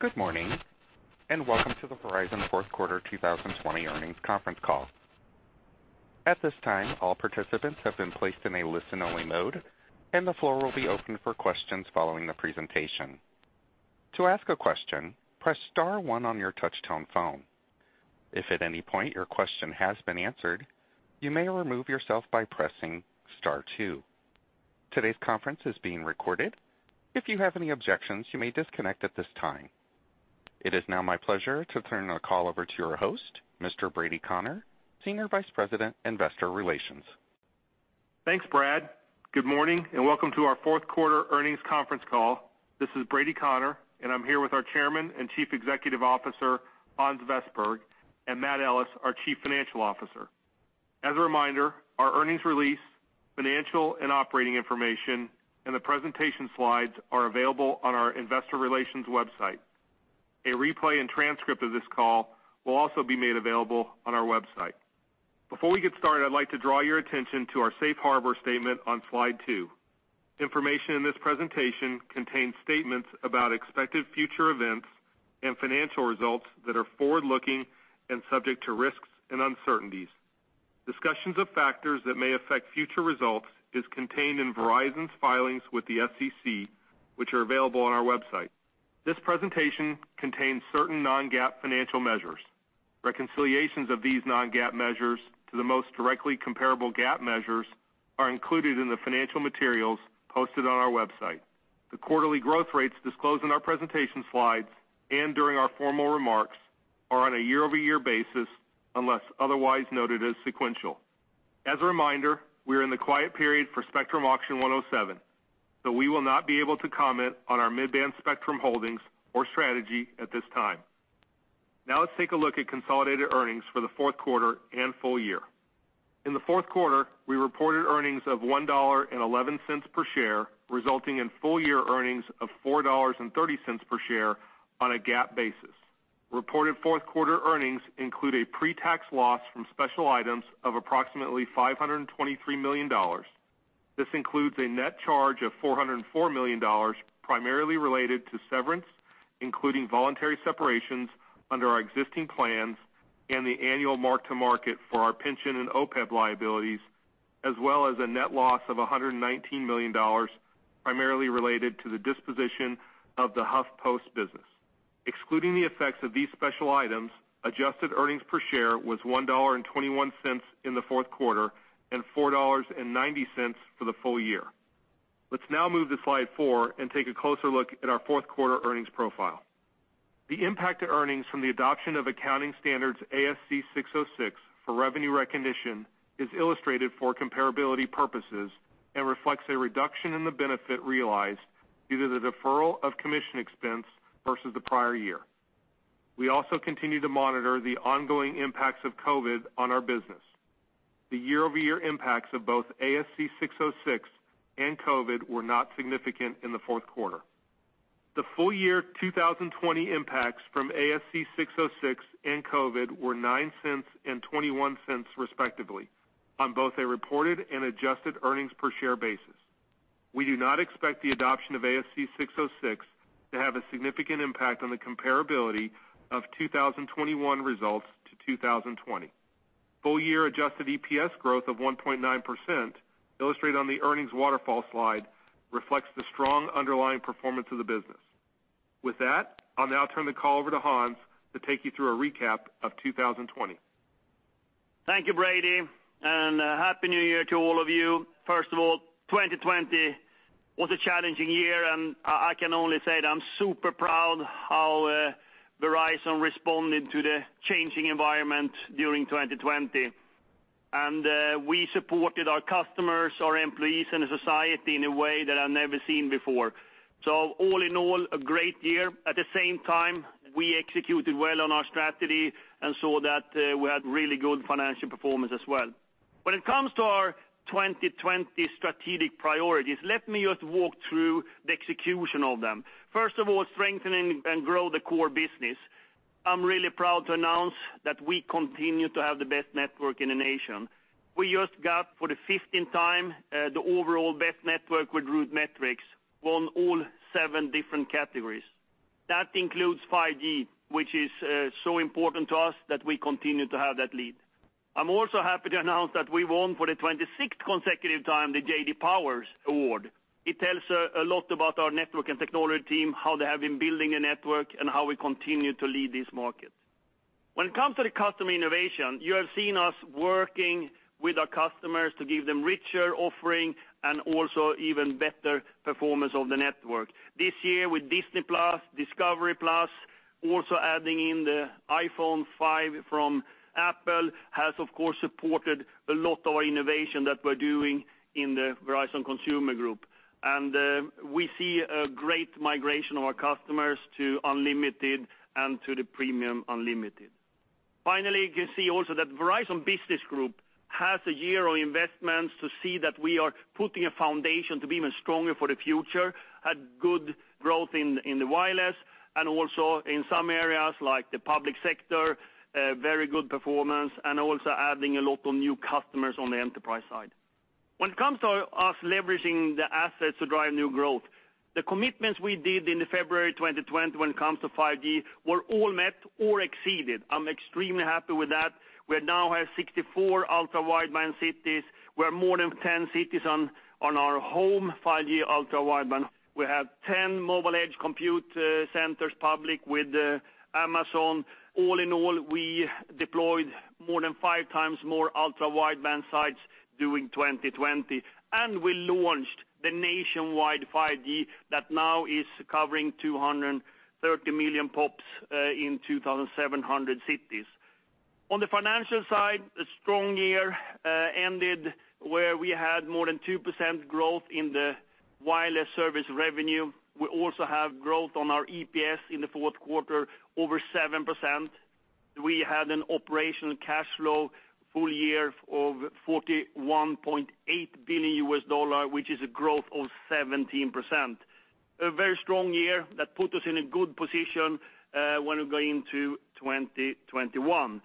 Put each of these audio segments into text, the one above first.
Good morning, and welcome to the Verizon fourth quarter 2020 earnings conference call. At this time all participants have been placed in a listen-only mode and the floor will be opened for questions following the presentation. To ask a question press star one on your touchtone phone. At any point your question has been answered, you may remove yourself by pressing star two. Today's conference is being recorded, if you may have any objection you may remove yourself at this time. It is now my pleasure to turn the call over to your host, Mr. Brady Connor, Senior Vice President, Investor Relations. Thanks, Brad. Good morning, welcome to our fourth quarter earnings conference call. This is Brady Connor, I'm here with our Chairman and Chief Executive Officer, Hans Vestberg, and Matt Ellis, our Chief Financial Officer. As a reminder, our earnings release, financial and operating information, and the presentation slides are available on our Investor Relations website. A replay and transcript of this call will also be made available on our website. Before we get started, I'd like to draw your attention to our safe harbor statement on Slide two. Information in this presentation contains statements about expected future events and financial results that are forward-looking and subject to risks and uncertainties. Discussions of factors that may affect future results is contained in Verizon's filings with the SEC, which are available on our website. This presentation contains certain non-GAAP financial measures. Reconciliations of these non-GAAP measures to the most directly comparable GAAP measures are included in the financial materials posted on our website. The quarterly growth rates disclosed in our presentation slides and during our formal remarks are on a year-over-year basis, unless otherwise noted as sequential. As a reminder, we are in the quiet period for Spectrum Auction 107, so we will not be able to comment on our mid-band spectrum holdings or strategy at this time. Now let's take a look at consolidated earnings for the fourth quarter and full year. In the fourth quarter, we reported earnings of $1.11 per share, resulting in full-year earnings of $4.30 per share on a GAAP basis. Reported fourth quarter earnings include a pre-tax loss from special items of approximately $523 million. This includes a net charge of $404 million primarily related to severance, including voluntary separations under our existing plans and the annual mark-to-market for our pension and OPEB liabilities, as well as a net loss of $119 million, primarily related to the disposition of the HuffPost business. Excluding the effects of these special items, adjusted earnings per share was $1.21 in the fourth quarter and $4.90 for the full year. Let's now move to Slide four and take a closer look at our fourth quarter earnings profile. The impact to earnings from the adoption of accounting standards ASC 606 for revenue recognition is illustrated for comparability purposes and reflects a reduction in the benefit realized due to the deferral of commission expense versus the prior year. We also continue to monitor the ongoing impacts of COVID on our business. The year-over-year impacts of both ASC 606 and COVID were not significant in the fourth quarter. The full-year 2020 impacts from ASC 606 and COVID were $0.09 and $0.21, respectively, on both a reported and adjusted earnings per share basis. We do not expect the adoption of ASC 606 to have a significant impact on the comparability of 2021 results to 2020. Full-year adjusted EPS growth of 1.9%, illustrated on the earnings waterfall slide, reflects the strong underlying performance of the business. With that, I'll now turn the call over to Hans to take you through a recap of 2020. Thank you, Brady, and Happy New Year to all of you. First of all, 2020 was a challenging year, and I can only say that I'm super proud how Verizon responded to the changing environment during 2020. We supported our customers, our employees, and the society in a way that I've never seen before. All in all, a great year. At the same time, we executed well on our strategy and saw that we had really good financial performance as well. When it comes to our 2020 strategic priorities, let me just walk through the execution of them. First of all, strengthening and grow the core business. I'm really proud to announce that we continue to have the best network in the nation. We just got, for the 15th time, the overall best network with RootMetrics, won all 7 different categories. That includes 5G, which is so important to us that we continue to have that lead. I'm also happy to announce that we won for the 26th consecutive time, the J.D. Power Award. It tells a lot about our network and technology team, how they have been building a network, and how we continue to lead this market. When it comes to the customer innovation, you have seen us working with our customers to give them richer offering and also even better performance of the network. This year with Disney+, Discovery+, also adding in the iPhone 5 from Apple, has of course supported a lot of our innovation that we're doing in the Verizon Consumer Group. We see a great migration of our customers to unlimited and to the premium unlimited. Finally, you can see also that Verizon Business Group has a year of investments to see that we are putting a foundation to be even stronger for the future, had good growth in the wireless, and also in some areas like the public sector, very good performance, and also adding a lot of new customers on the enterprise side. When it comes to us leveraging the assets to drive new growth, the commitments we did in February 2020 when it comes to 5G were all met or exceeded. I'm extremely happy with that. We now have 64 Ultra Wideband cities. We have more than 10 cities on our home 5G Ultra Wideband. We have 10 mobile edge compute centers public with Amazon. All in all, we deployed more than 5x more Ultra Wideband sites during 2020, and we launched the nationwide 5G that now is covering 230 million pops in 2,700 cities. On the financial side, a strong year ended where we had more than 2% growth in the wireless service revenue. We also have growth on our EPS in the fourth quarter, over 7%. We had an operational cash flow full year of $41.8 billion, which is a growth of 17%. A very strong year that put us in a good position when we go into 2021.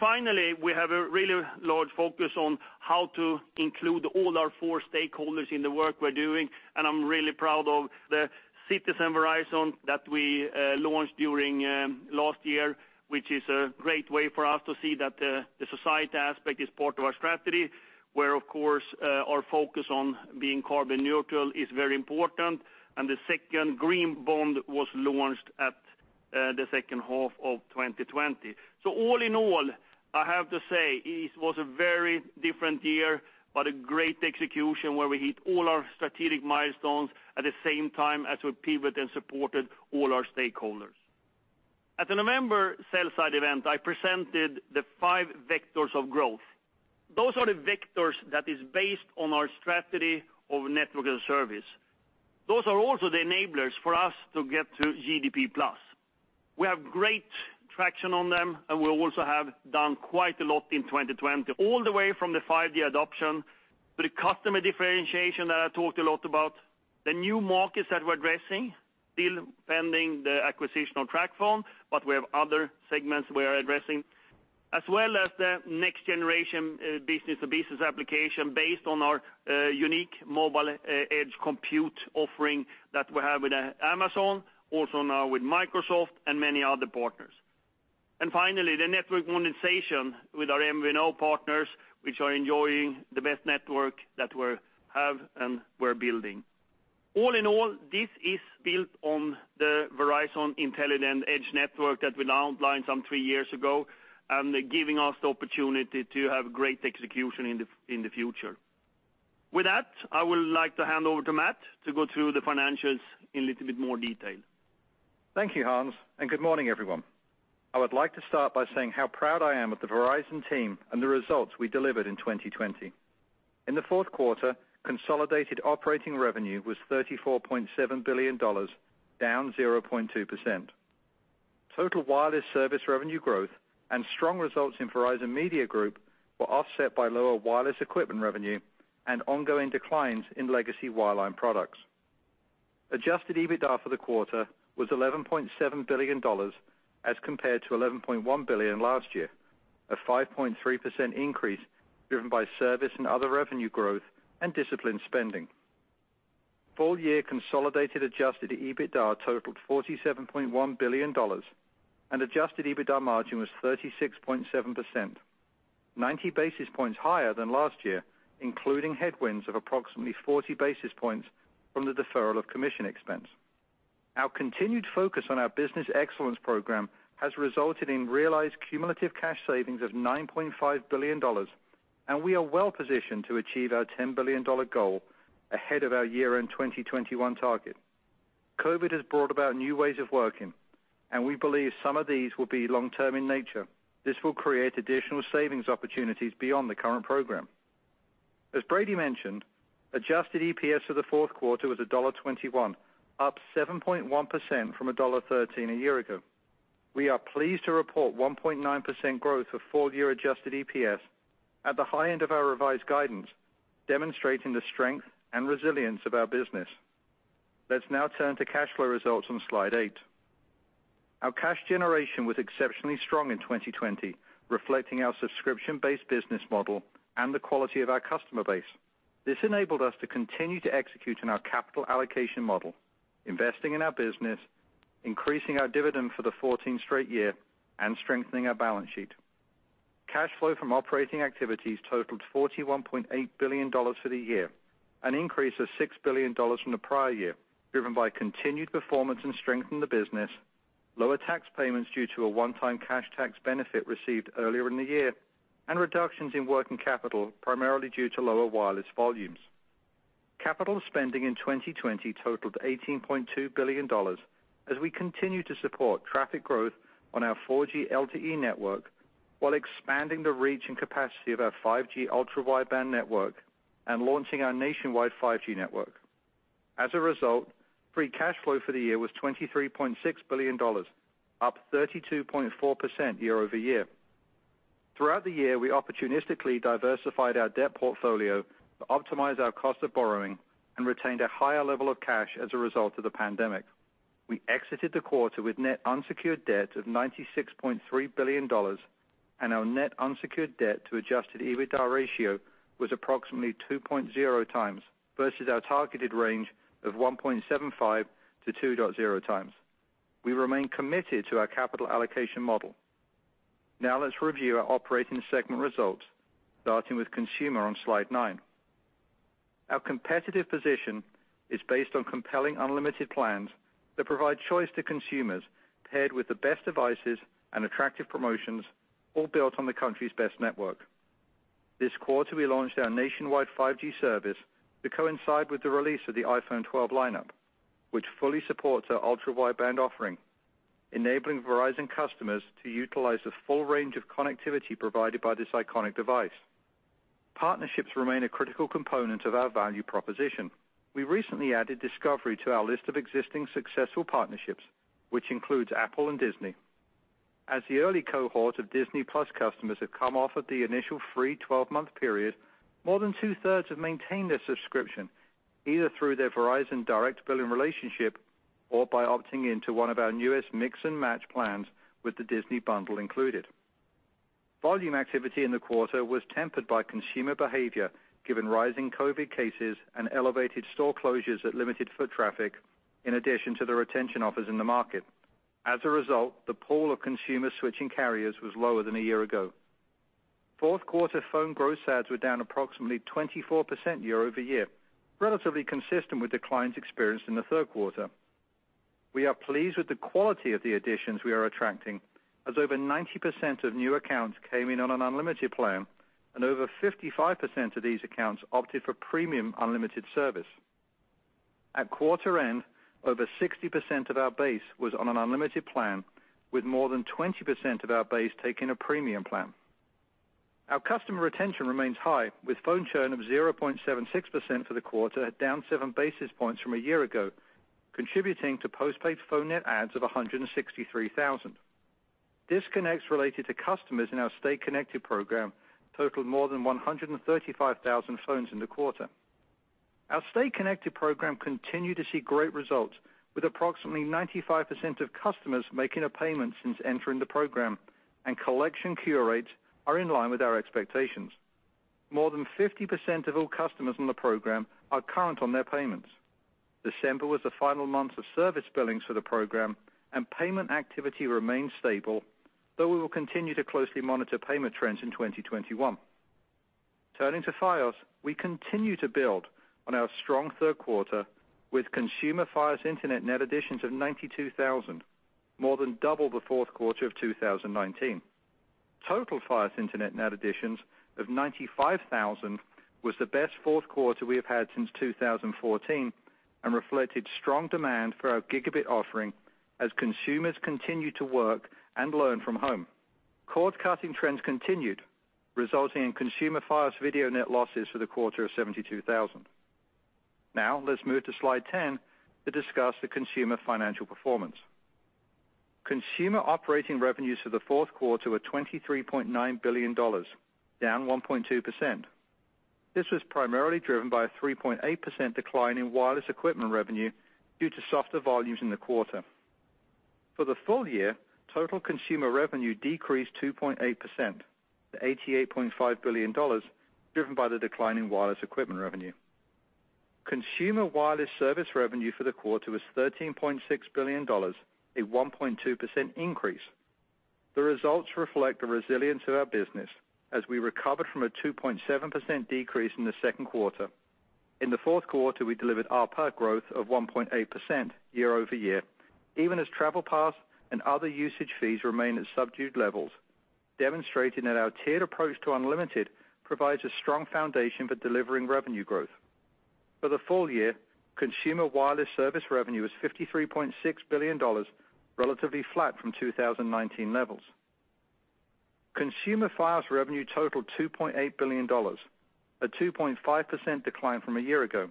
Finally, we have a really large focus on how to include all our four stakeholders in the work we're doing, and I'm really proud of the Citizen Verizon that we launched during last year, which is a great way for us to see that the society aspect is part of our strategy, where, of course, our focus on being carbon neutral is very important. The second green bond was launched at the second half of 2020. All in all, I have to say it was a very different year, but a great execution where we hit all our strategic milestones at the same time as we pivoted and supported all our stakeholders. At the November sell-side event, I presented the five vectors of growth. Those are the vectors that is based on our strategy of network and service. Those are also the enablers for us to get to GDP+. We have great traction on them, and we also have done quite a lot in 2020, all the way from the 5G adoption to the customer differentiation that I talked a lot about, the new markets that we're addressing, still pending the acquisition of TracFone, but we have other segments we are addressing, as well as the next generation B2B application based on our unique Mobile Edge Compute offering that we have with Amazon, also now with Microsoft and many other partners. Finally, the network monetization with our MVNO partners, which are enjoying the best network that we have and we're building. All in all, this is built on the Verizon Intelligent Edge Network that we now outlined some three years ago, and giving us the opportunity to have great execution in the future. With that, I would like to hand over to Matt to go through the financials in a little bit more detail. Thank you, Hans. Good morning, everyone? I would like to start by saying how proud I am of the Verizon team and the results we delivered in 2020. In the fourth quarter, consolidated operating revenue was $34.7 billion, down 0.2%. Total wireless service revenue growth and strong results in Verizon Media Group were offset by lower wireless equipment revenue and ongoing declines in legacy wireline products. Adjusted EBITDA for the quarter was $11.7 billion as compared to $11.1 billion last year, a 5.3% increase driven by service and other revenue growth and disciplined spending. Full year consolidated adjusted EBITDA totaled $47.1 billion. Adjusted EBITDA margin was 36.7%, 90 basis points higher than last year, including headwinds of approximately 40 basis points from the deferral of commission expense. Our continued focus on our business excellence program has resulted in realized cumulative cash savings of $9.5 billion, and we are well positioned to achieve our $10 billion goal ahead of our year-end 2021 target. COVID has brought about new ways of working, and we believe some of these will be long-term in nature. This will create additional savings opportunities beyond the current program. As Brady mentioned, adjusted EPS for the fourth quarter was $1.21, up 7.1% from $1.13 a year ago. We are pleased to report 1.9% growth of full-year adjusted EPS at the high end of our revised guidance, demonstrating the strength and resilience of our business. Let's now turn to cash flow results on slide eight. Our cash generation was exceptionally strong in 2020, reflecting our subscription-based business model and the quality of our customer base. This enabled us to continue to execute on our capital allocation model, investing in our business, increasing our dividend for the 14th straight year, and strengthening our balance sheet. Cash flow from operating activities totaled $41.8 billion for the year, an increase of $6 billion from the prior year, driven by continued performance and strength in the business, lower tax payments due to a one-time cash tax benefit received earlier in the year, and reductions in working capital, primarily due to lower wireless volumes. Capital spending in 2020 totaled $18.2 billion as we continued to support traffic growth on our 4G LTE network, while expanding the reach and capacity of our 5G Ultra Wideband network and launching our nationwide 5G network. As a result, free cash flow for the year was $23.6 billion, up 32.4% year-over-year. Throughout the year, we opportunistically diversified our debt portfolio to optimize our cost of borrowing and retained a higher level of cash as a result of the pandemic. We exited the quarter with net unsecured debt of $96.3 billion and our net unsecured debt to adjusted EBITDA ratio was approximately 2.0x versus our targeted range of 1.75x-2.0x. We remain committed to our capital allocation model. Now let's review our operating segment results, starting with Consumer on slide nine. Our competitive position is based on compelling unlimited plans that provide choice to consumers, paired with the best devices and attractive promotions, all built on the country's best network. This quarter, we launched our nationwide 5G service to coincide with the release of the iPhone 12 lineup, which fully supports our Ultra Wideband offering, enabling Verizon customers to utilize the full range of connectivity provided by this iconic device. Partnerships remain a critical component of our value proposition. We recently added Discovery to our list of existing successful partnerships, which includes Apple and Disney. As the early cohorts of Disney+ customers have come off of the initial free 12-month period, more than two-thirds have maintained their subscription, either through their Verizon direct billing relationship or by opting into one of our newest Mix & Match plans with the Disney Bundle included. Volume activity in the quarter was tempered by consumer behavior given rising COVID cases and elevated store closures that limited foot traffic in addition to the retention offers in the market. As a result, the pool of consumer switching carriers was lower than a year ago. Fourth quarter phone gross adds were down approximately 24% year-over-year, relatively consistent with the declines experience in the third quarter. We are pleased with the quality of the additions we are attracting, as over 90% of new accounts came in on an unlimited plan, and over 55% of these accounts opted for premium unlimited service. At quarter end, over 60% of our base was on an unlimited plan, with more than 20% of our base taking a premium plan. Our customer retention remains high, with phone churn of 0.76% for the quarter, down seven basis points from a year ago, contributing to postpaid phone net adds of 163,000. Disconnects related to customers in our Stay Connected program totaled more than 135,000 phones in the quarter. Our Stay Connected program continued to see great results, with approximately 95% of customers making a payment since entering the program, and collection cure rates are in line with our expectations. More than 50% of all customers on the program are current on their payments. December was the final month of service billings for the program, and payment activity remains stable, though we will continue to closely monitor payment trends in 2021. Turning to Fios, we continue to build on our strong third quarter with Consumer Fios Internet net additions of 92,000, more than double the fourth quarter of 2019. Total Fios Internet net additions of 95,000 was the best fourth quarter we have had since 2014 and reflected strong demand for our gigabit offering as consumers continued to work and learn from home. Cord-cutting trends continued, resulting in Consumer Fios Video net losses for the quarter of 72,000. Now, let's move to slide 10 to discuss the consumer financial performance. Consumer operating revenues for the fourth quarter were $23.9 billion, down 1.2%. This was primarily driven by a 3.8% decline in wireless equipment revenue due to softer volumes in the quarter. For the full year, total consumer revenue decreased 2.8% to $88.5 billion, driven by the decline in wireless equipment revenue. Consumer wireless service revenue for the quarter was $13.6 billion, a 1.2% increase. The results reflect the resilience of our business as we recovered from a 2.7% decrease in the second quarter. In the fourth quarter, we delivered ARPA growth of 1.8% year-over-year, even as TravelPass and other usage fees remain at subdued levels, demonstrating that our tiered approach to unlimited provides a strong foundation for delivering revenue growth. For the full year, consumer wireless service revenue was $53.6 billion, relatively flat from 2019 levels. Consumer Fios revenue totaled $2.8 billion, a 2.5% decline from a year ago.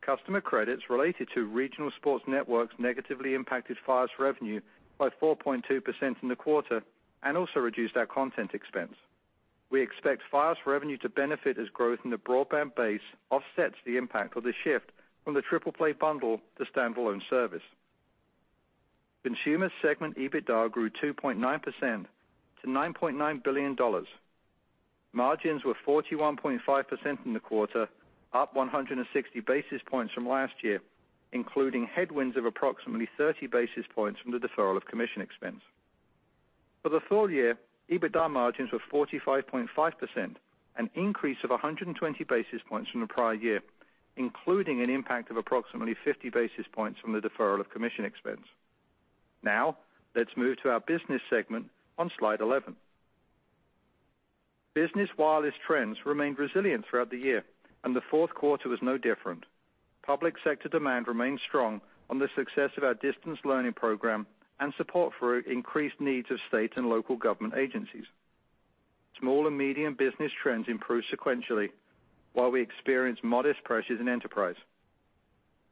Customer credits related to regional sports networks negatively impacted Fios revenue by 4.2% in the quarter and also reduced our content expense. We expect Fios revenue to benefit as growth in the broadband base offsets the impact of the shift from the triple play bundle to standalone service. Consumer segment EBITDA grew 2.9% to $9.9 billion. Margins were 41.5% in the quarter, up 160 basis points from last year, including headwinds of approximately 30 basis points from the deferral of commission expense. For the full year, EBITDA margins were 45.5%, an increase of 120 basis points from the prior year, including an impact of approximately 50 basis points from the deferral of commission expense. Let's move to our business segment on slide 11. Business wireless trends remained resilient throughout the year, the fourth quarter was no different. Public sector demand remained strong on the success of our distance learning program and support for increased needs of state and local government agencies. Small and medium business trends improved sequentially, while we experienced modest pressures in enterprise.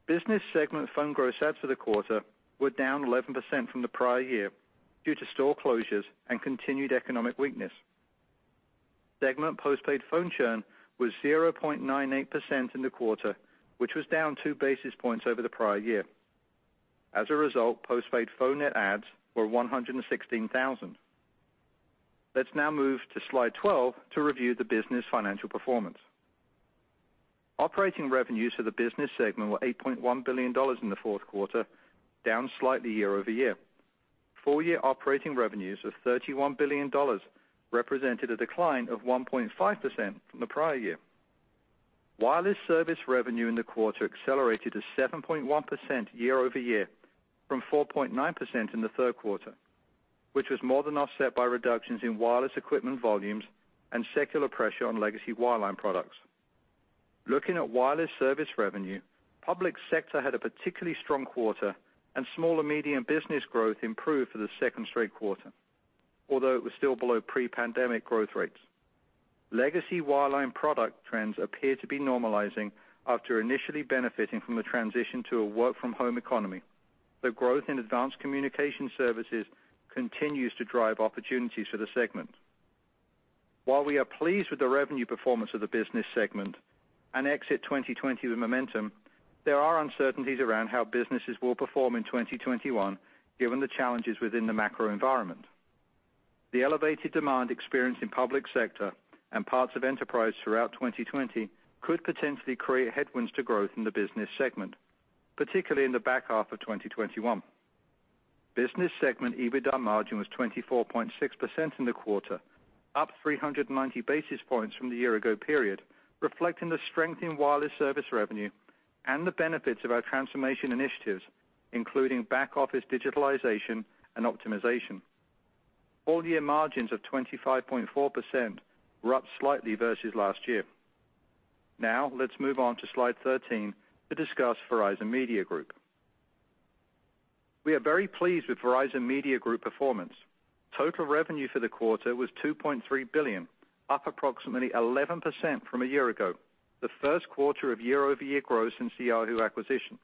Business segment phone gross adds for the quarter were down 11% from the prior year due to store closures and continued economic weakness. Segment postpaid phone churn was 0.98% in the quarter, which was down two basis points over the prior year. As a result, postpaid phone net adds were 116,000. Let's now move to slide 12 to review the business financial performance. Operating revenues for the business segment were $8.1 billion in the fourth quarter, down slightly year-over-year. Full year operating revenues of $31 billion represented a decline of 1.5% from the prior year. Wireless service revenue in the quarter accelerated to 7.1% year-over-year from 4.9% in the third quarter, which was more than offset by reductions in wireless equipment volumes and secular pressure on legacy wireline products. Looking at wireless service revenue, public sector had a particularly strong quarter and small or medium business growth improved for the second straight quarter, although it was still below pre-pandemic growth rates. Legacy wireline product trends appear to be normalizing after initially benefiting from the transition to a work from home economy. The growth in advanced communication services continues to drive opportunities for the segment. While we are pleased with the revenue performance of the business segment and exit 2020 with momentum, there are uncertainties around how businesses will perform in 2021 given the challenges within the macro environment. The elevated demand experienced in public sector and parts of enterprise throughout 2020 could potentially create headwinds to growth in the business segment, particularly in the back half of 2021. Business segment EBITDA margin was 24.6% in the quarter, up 390 basis points from the year ago period, reflecting the strength in wireless service revenue and the benefits of our transformation initiatives, including back office digitalization and optimization. All year margins of 25.4% were up slightly versus last year. Let's move on to slide 13 to discuss Verizon Media Group. We are very pleased with Verizon Media Group performance. Total revenue for the quarter was $2.3 billion, up approximately 11% from a year ago, the first quarter of year-over-year growth since the Yahoo acquisition.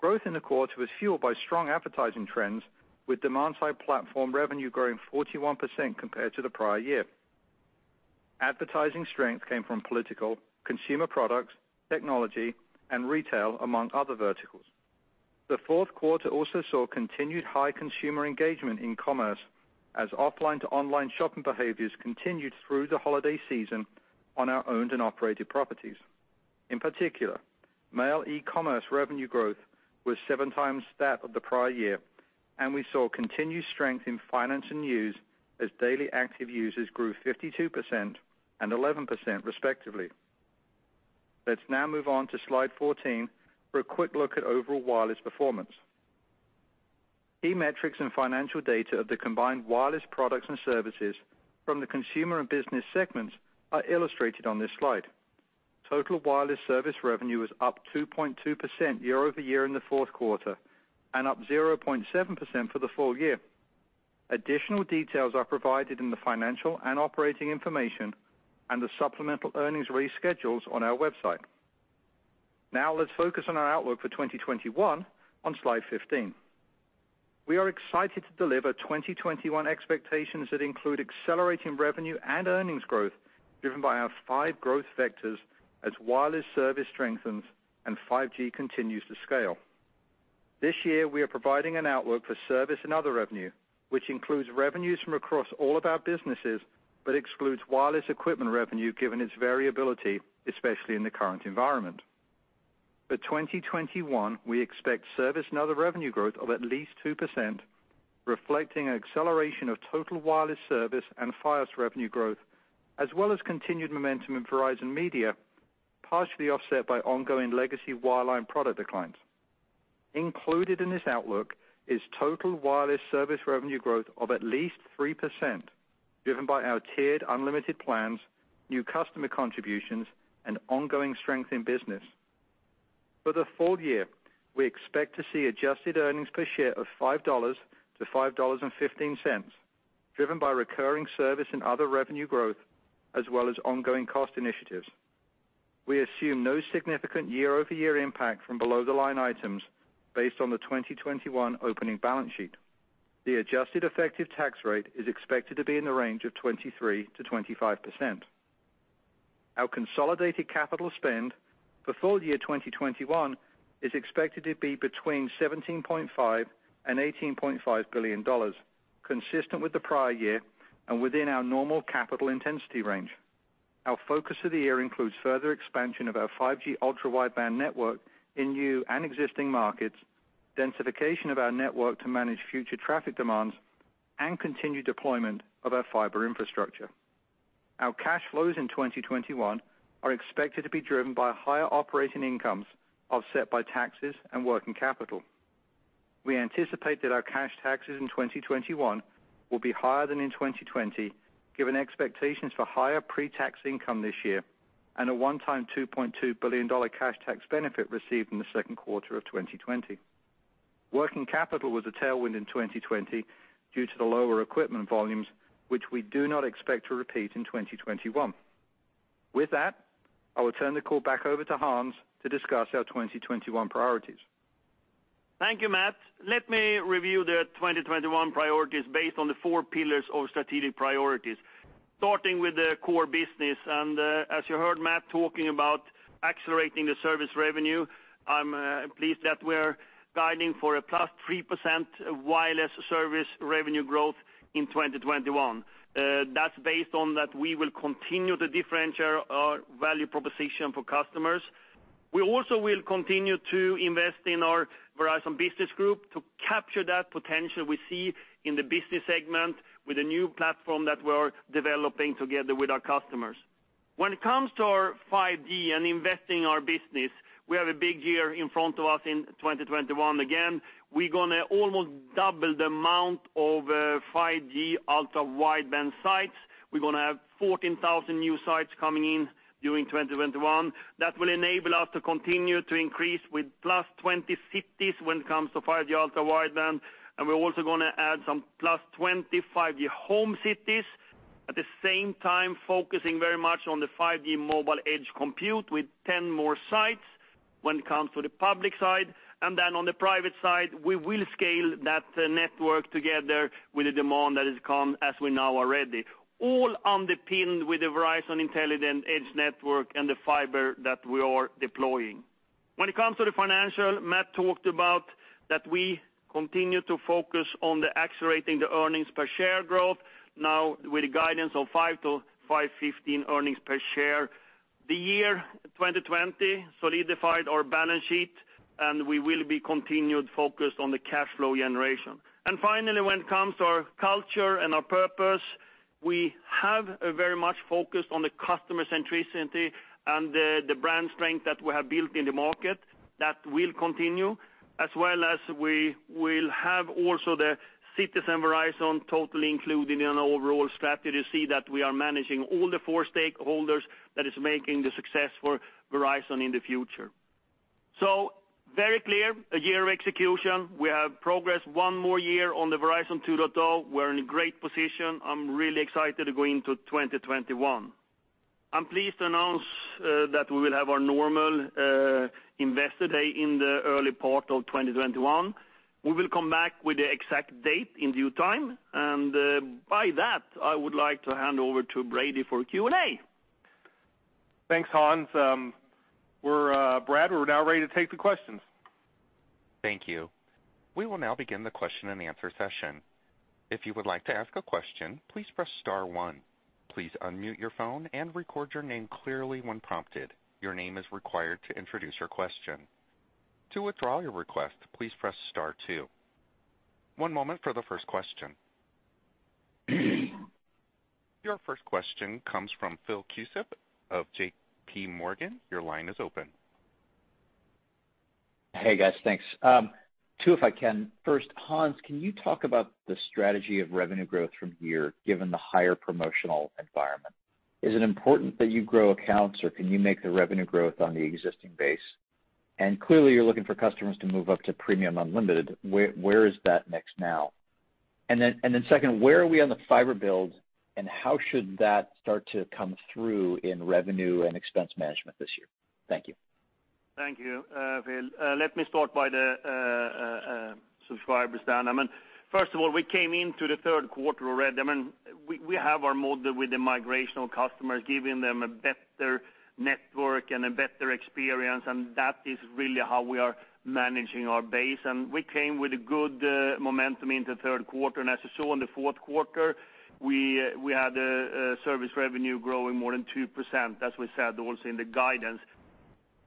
Growth in the quarter was fueled by strong advertising trends with demand-side platform revenue growing 41% compared to the prior year. Advertising strength came from political, consumer products, technology, and retail, among other verticals. The fourth quarter also saw continued high consumer engagement in commerce as offline to online shopping behaviors continued through the holiday season on our owned and operated properties. In particular, mail e-commerce revenue growth was 7x that of the prior year, and we saw continued strength in finance and news as daily active users grew 52% and 11% respectively. Let's now move on to slide 14 for a quick look at overall wireless performance. Key metrics and financial data of the combined wireless products and services from the consumer and business segments are illustrated on this slide. Total wireless service revenue was up 2.2% year-over-year in the fourth quarter, and up 0.7% for the full year. Additional details are provided in the financial and operating information and the supplemental earnings release schedules on our website. Let's focus on our outlook for 2021 on slide 15. We are excited to deliver 2021 expectations that include accelerating revenue and earnings growth driven by our five growth vectors as wireless service strengthens and 5G continues to scale. This year, we are providing an outlook for service and other revenue, which includes revenues from across all of our businesses, but excludes wireless equipment revenue given its variability, especially in the current environment. For 2021, we expect service and other revenue growth of at least 2%, reflecting an acceleration of total wireless service and Fios revenue growth, as well as continued momentum in Verizon Media, partially offset by ongoing legacy wireline product declines. Included in this outlook is total wireless service revenue growth of at least 3%, driven by our tiered unlimited plans, new customer contributions, and ongoing strength in business. For the full year, we expect to see adjusted earnings per share of $5-$5.15, driven by recurring service and other revenue growth, as well as ongoing cost initiatives. We assume no significant year-over-year impact from below the line items based on the 2021 opening balance sheet. The adjusted effective tax rate is expected to be in the range of 23%-25%. Our consolidated capital spend for full year 2021 is expected to be between $17.5 billion and $18.5 billion, consistent with the prior year and within our normal capital intensity range. Our focus of the year includes further expansion of our 5G Ultra Wideband network in new and existing markets, densification of our network to manage future traffic demands, and continued deployment of our fiber infrastructure. Our cash flows in 2021 are expected to be driven by higher operating incomes offset by taxes and working capital. We anticipate that our cash taxes in 2021 will be higher than in 2020, given expectations for higher pre-tax income this year and a one-time $2.2 billion cash tax benefit received in the second quarter of 2020. Working capital was a tailwind in 2020 due to the lower equipment volumes, which we do not expect to repeat in 2021. With that, I will turn the call back over to Hans to discuss our 2021 priorities. Thank you, Matt. Let me review the 2021 priorities based on the four pillars of strategic priorities. Starting with the core business, as you heard Matt talking about accelerating the service revenue, I'm pleased that we're guiding for a +3% wireless service revenue growth in 2021. That's based on that we will continue to differentiate our value proposition for customers. We also will continue to invest in our Verizon Business Group to capture that potential we see in the business segment with the new platform that we're developing together with our customers. When it comes to our 5G and investing in our business, we have a big year in front of us in 2021. Again, we're going to almost double the amount of 5G Ultra Wideband sites. We're going to have 14,000 new sites coming in during 2021. That will enable us to continue to increase with +20 cities when it comes to 5G Ultra Wideband, and we're also going to add some +20 5G Home cities. At the same time, focusing very much on the 5G Mobile Edge Compute with 10 more sites when it comes to the public side, and then on the private side, we will scale that network together with the demand that has come as we now are ready. All underpinned with the Verizon Intelligent Edge Network and the fiber that we are deploying. When it comes to the financial, Matt talked about that we continue to focus on the accelerating the earnings per share growth, now with a guidance of $5 to $5.15 earnings per share. The year 2020 solidified our balance sheet, and we will be continued focused on the cash flow generation. Finally, when it comes to our culture and our purpose, we have very much focused on the customer centricity and the brand strength that we have built in the market. That will continue, as well as we will have also the Citizen Verizon totally included in our overall strategy to see that we are managing all the four stakeholders that is making the success for Verizon in the future. Very clear, a year of execution. We have progressed one more year on the Verizon 2.0. We're in a great position. I'm really excited going into 2021. I'm pleased to announce that we will have our normal Investor Day in the early part of 2021. We will come back with the exact date in due time. By that, I would like to hand over to Brady for Q&A. Thanks, Hans. Brad, we're now ready to take the questions. Thank you. We will now begin the question-and-answer session. If you would like to ask a question, please press star one. Please unmute your phone and record your name clearly when prompted. Your name is required to introduce your question. To withdraw your request, please press star two. One moment for the first question. Your first question comes from Phil Cusick of JPMorgan, your line is open. Hey, guys? Thanks. Two, if I can. First, Hans, can you talk about the strategy of revenue growth from here, given the higher promotional environment? Is it important that you grow accounts, or can you make the revenue growth on the existing base? Clearly, you're looking for customers to move up to Premium Unlimited. Where is that mix now? Second, where are we on the fiber build, and how should that start to come through in revenue and expense management this year? Thank you. Thank you, Phil. Let me start by the subscribers dynamic. First of all, we came into the third quarter already. We have our model with the migrational customers, giving them a better network and a better experience, and that is really how we are managing our base. We came with a good momentum into the third quarter. As you saw in the fourth quarter, we had service revenue growing more than 2%, as we said also in the guidance.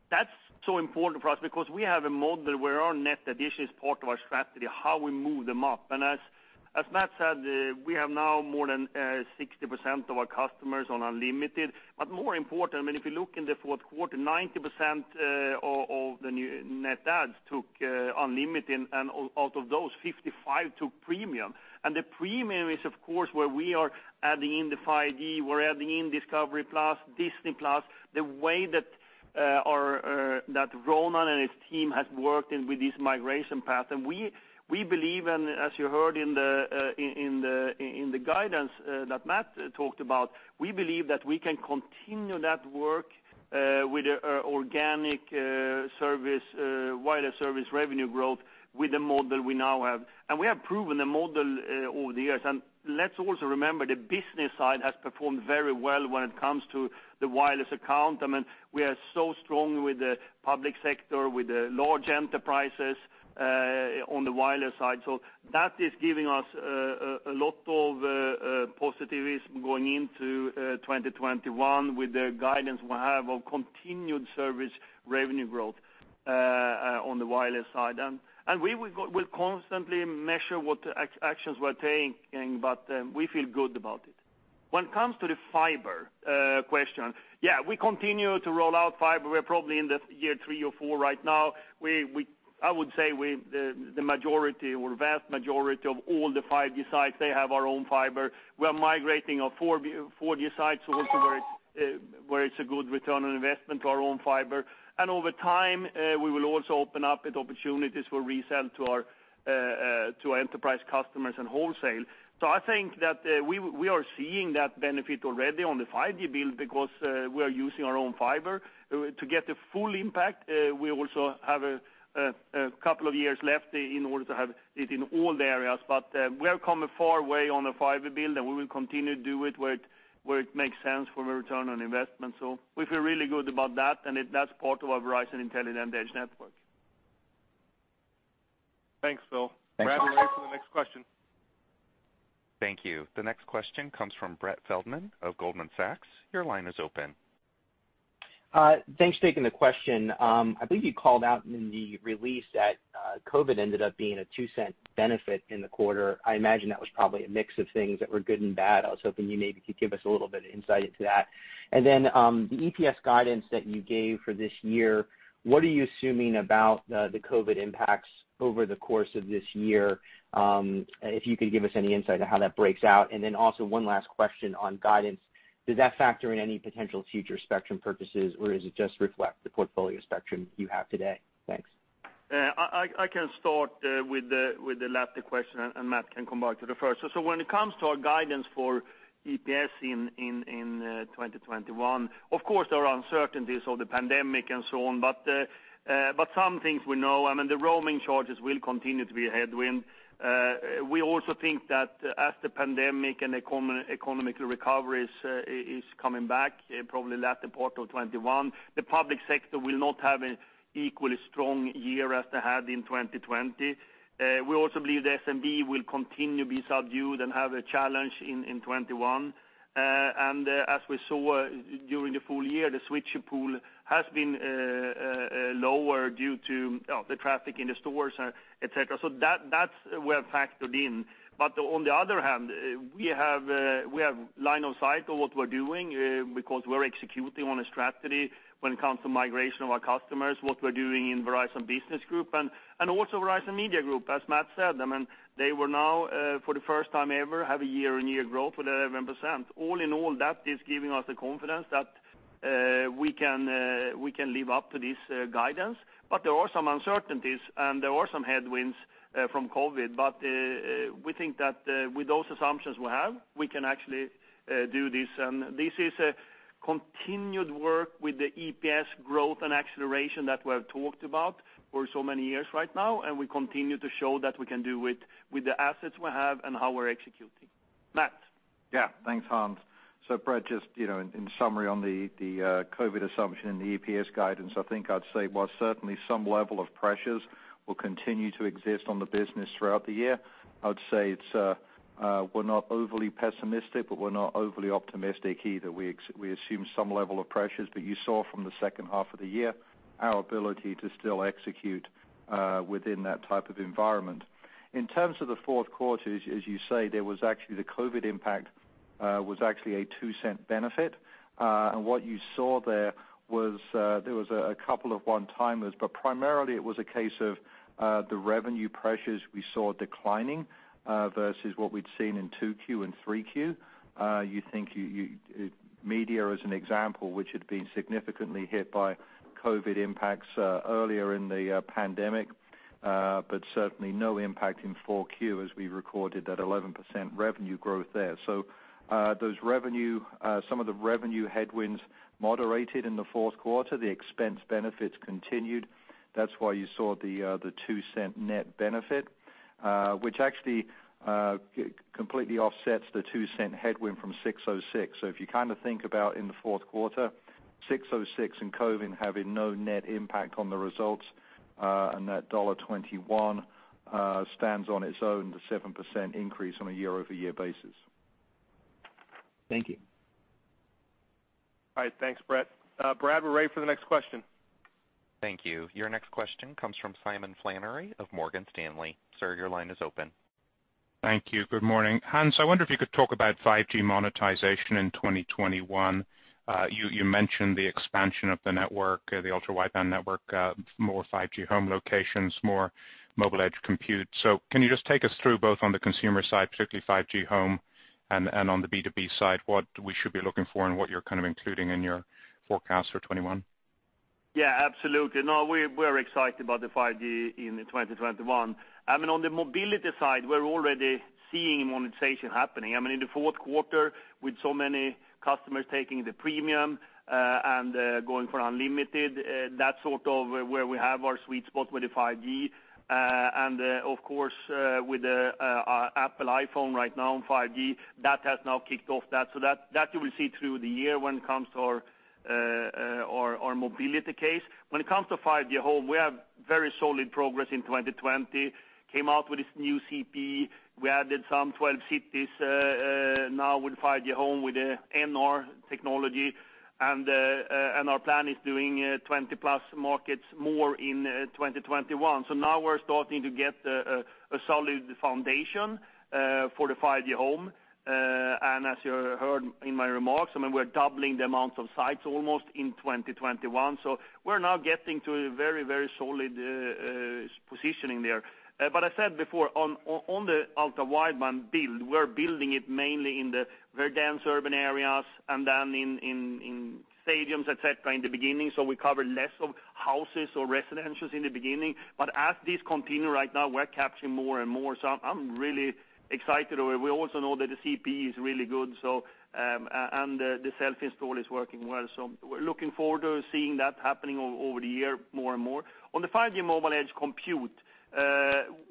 That's so important for us because we have a model where our net addition is part of our strategy, how we move them up. As Matt said, we have now more than 60% of our customers on Unlimited. More important, if you look in the fourth quarter, 90% of the new net adds took Unlimited, and out of those, 55% took Premium. The premium is, of course, where we are adding in the 5G, we're adding in Discovery+, Disney+, the way that Ronan and his team has worked in with this migration path. We believe, and as you heard in the guidance that Matt talked about, we believe that we can continue that work with organic wireless service revenue growth with the model we now have. We have proven the model over the years. Let's also remember, the business side has performed very well when it comes to the wireless account. We are so strong with the public sector, with the large enterprises on the wireless side. That is giving us a lot of positivism going into 2021 with the guidance we have of continued service revenue growth on the wireless side. We will constantly measure what actions we're taking, but we feel good about it. When it comes to the fiber question, yeah, we continue to roll out fiber. We're probably in the year three or four right now. I would say the majority or vast majority of all the 5G sites, they have our own fiber. We are migrating our 4G sites also where it's a good return on investment to our own fiber. Over time, we will also open up opportunities for resell to our enterprise customers and wholesale. I think that we are seeing that benefit already on the 5G build because we are using our own fiber. To get the full impact, we also have a couple of years left in order to have it in all the areas. We have come a far way on the fiber build, and we will continue to do it where it makes sense for the return on investment. We feel really good about that, and that's part of our Verizon Intelligent Edge Network. Thanks, Phil. Thanks. Operator, the next question. Thank you. The next question comes from Brett Feldman of Goldman Sachs, your line is open. Thanks for taking the question. I believe you called out in the release that COVID ended up being a $0.02 benefit in the quarter. I imagine that was probably a mix of things that were good and bad. I was hoping you maybe could give us a little bit of insight into that. The EPS guidance that you gave for this year, what are you assuming about the COVID impacts over the course of this year? If you could give us any insight to how that breaks out. Also one last question on guidance. Does that factor in any potential future spectrum purchases, or does it just reflect the portfolio spectrum you have today? Thanks. I can start with the latter question, and Matt can come back to the first. When it comes to our guidance for EPS in 2021, of course, there are uncertainties of the pandemic and so on, but some things we know. I mean, the roaming charges will continue to be a headwind. We also think that as the pandemic and economic recovery is coming back, probably latter part of 2021, the public sector will not have an equally strong year as they had in 2020. We also believe the SMB will continue to be subdued and have a challenge in 2021. As we saw during the full year, the switch pool has been lower due to the traffic in the stores, et cetera. That we have factored in. On the other hand, we have line of sight of what we're doing, because we're executing on a strategy when it comes to migration of our customers, what we're doing in Verizon Business Group and also Verizon Media Group. As Matt said, they will now for the first time ever, have a year-on-year growth of 11%. All in all, that is giving us the confidence that we can live up to this guidance, but there are some uncertainties and there are some headwinds from COVID. We think that with those assumptions we have, we can actually do this. This is a continued work with the EPS growth and acceleration that we have talked about for so many years right now, and we continue to show that we can do it with the assets we have and how we're executing. Matt? Thanks, Hans. Brett, just in summary on the COVID assumption and the EPS guidance, I think I'd say while certainly some level of pressures will continue to exist on the business throughout the year, I would say we're not overly pessimistic, but we're not overly optimistic either. We assume some level of pressures, but you saw from the second half of the year, our ability to still execute within that type of environment. In terms of the fourth quarter, as you say, the COVID impact was actually a $0.02 benefit. What you saw there was a couple of one-timers, but primarily it was a case of the revenue pressures we saw declining, versus what we'd seen in 2Q and 3Q. Media as an example, which had been significantly hit by COVID impacts earlier in the pandemic, certainly no impact in 4Q as we recorded that 11% revenue growth there. Some of the revenue headwinds moderated in the fourth quarter. The expense benefits continued. That's why you saw the $0.02 net benefit, which actually completely offsets the $0.02 headwind from ASC 606. If you think about in the fourth quarter, ASC 606 and COVID having no net impact on the results, and that $1.21 stands on its own, the 7% increase on a year-over-year basis. Thank you. All right, thanks Brett. Brad, we're ready for the next question. Thank you. Your next question comes from Simon Flannery of Morgan Stanley. Sir, your line is open. Thank you. Good morning? Hans, I wonder if you could talk about 5G monetization in 2021. You mentioned the expansion of the network, the Ultra Wideband network, more 5G Home locations, more mobile edge computing. Can you just take us through, both on the consumer side, particularly 5G Home, and on the B2B side, what we should be looking for and what you're including in your forecast for 2021? Yeah, absolutely. No, we're excited about the 5G in 2021. On the mobility side, we're already seeing monetization happening. In the fourth quarter, with so many customers taking the premium, and going for unlimited, that's sort of where we have our sweet spot with the 5G. Of course, with the Apple iPhone right now on 5G, that has now kicked off that. That you will see through the year when it comes to our mobility case. When it comes to 5G home, we have very solid progress in 2020. Came out with this new CPE. We added some 12 cities now with 5G home with the NR technology. Our plan is doing 20+ markets more in 2021. Now we're starting to get a solid foundation for the 5G home. As you heard in my remarks, we're doubling the amount of sites almost in 2021. We're now getting to a very solid positioning there. I said before, on the Ultra Wideband build, we're building it mainly in the very dense urban areas and then in stadiums, et cetera, in the beginning, so we cover less of houses or residentials in the beginning. As this continue right now, we're capturing more and more. I'm really excited. We also know that the CPE is really good, and the self-install is working well. We're looking forward to seeing that happening over the year more and more. On the 5G Mobile Edge Compute,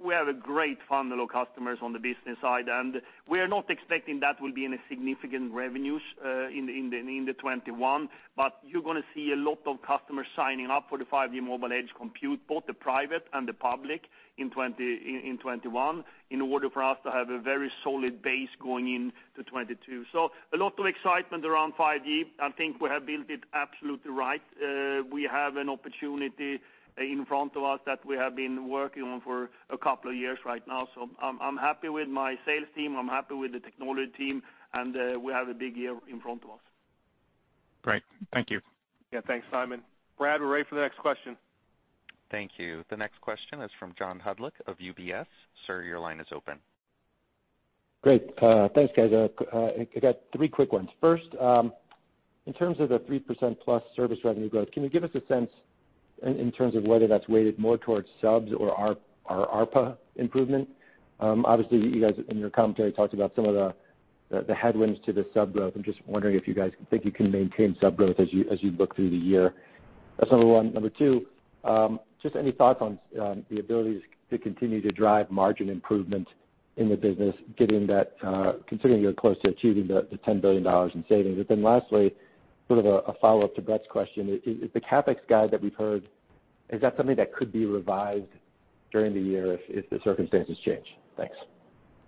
we have a great funnel of customers on the business side, and we are not expecting that will be in a significant revenues in 2021. You're going to see a lot of customers signing up for the 5G Mobile Edge Compute, both the private and the public in 2021, in order for us to have a very solid base going into 2022. A lot of excitement around 5G. I think we have built it absolutely right. We have an opportunity in front of us that we have been working on for a couple of years right now. I'm happy with my sales team, I'm happy with the technology team, and we have a big year in front of us. Great. Thank you. Yeah, thanks, Simon. Brad, we're ready for the next question. Thank you. The next question is from John Hodulik of UBS. Sir, your line is open. Great. Thanks, guys. I got three quick ones. First, in terms of the 3%+ service revenue growth, can you give us a sense in terms of whether that's weighted more towards subs or ARPA improvement? Obviously, you guys, in your commentary, talked about some of the headwinds to the sub-growth. I'm just wondering if you guys think you can maintain sub-growth as you look through the year. That's number one. Number two, just any thoughts on the ability to continue to drive margin improvement in the business, considering you're close to achieving the $10 billion in savings. Lastly, sort of a follow-up to Brett's question. Is the CapEx guide that we've heard, is that something that could be revised during the year if the circumstances change? Thanks.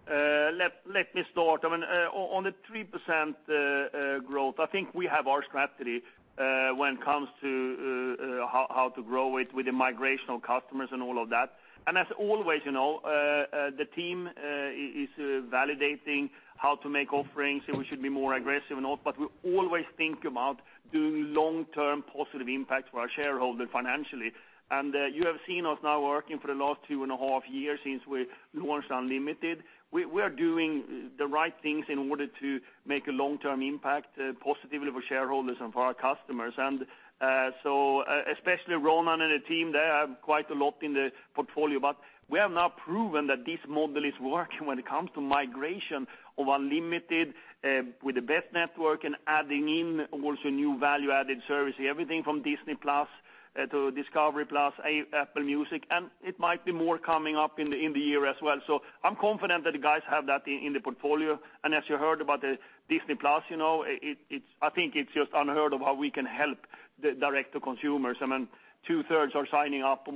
Let me start. On the 3% growth, I think we have our strategy when it comes to how to grow it with the migrational customers and all of that. As always, the team is validating how to make offerings, if we should be more aggressive or not, but we always think about doing long-term positive impact for our shareholder financially. You have seen us now working for the last two and a half years since we launched Unlimited. We are doing the right things in order to make a long-term impact positively for shareholders and for our customers. Especially Ronan and the team, they have quite a lot in the portfolio. We have now proven that this model is working when it comes to migration of Unlimited, with the best network and adding in also new value-added services, everything from Disney+ to Discovery+, Apple Music, and it might be more coming up in the year as well. I'm confident that the guys have that in the portfolio. As you heard about the Disney+, I think it's just unheard of how we can help the direct-to-consumer. More than two-thirds are signing up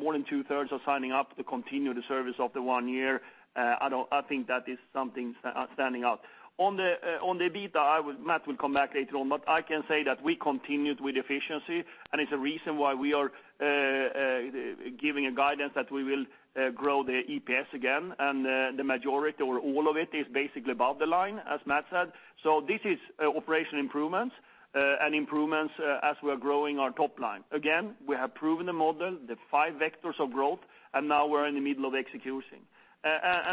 to continue the service after one year. I think that is something standing out. On the EBITDA, Matt will come back later on, but I can say that we continued with efficiency, and it's a reason why we are giving a guidance that we will grow the EPS again, and the majority or all of it is basically above the line, as Matt said. This is operational improvements and improvements as we're growing our top line. Again, we have proven the model, the five vectors of growth, and now we're in the middle of executing.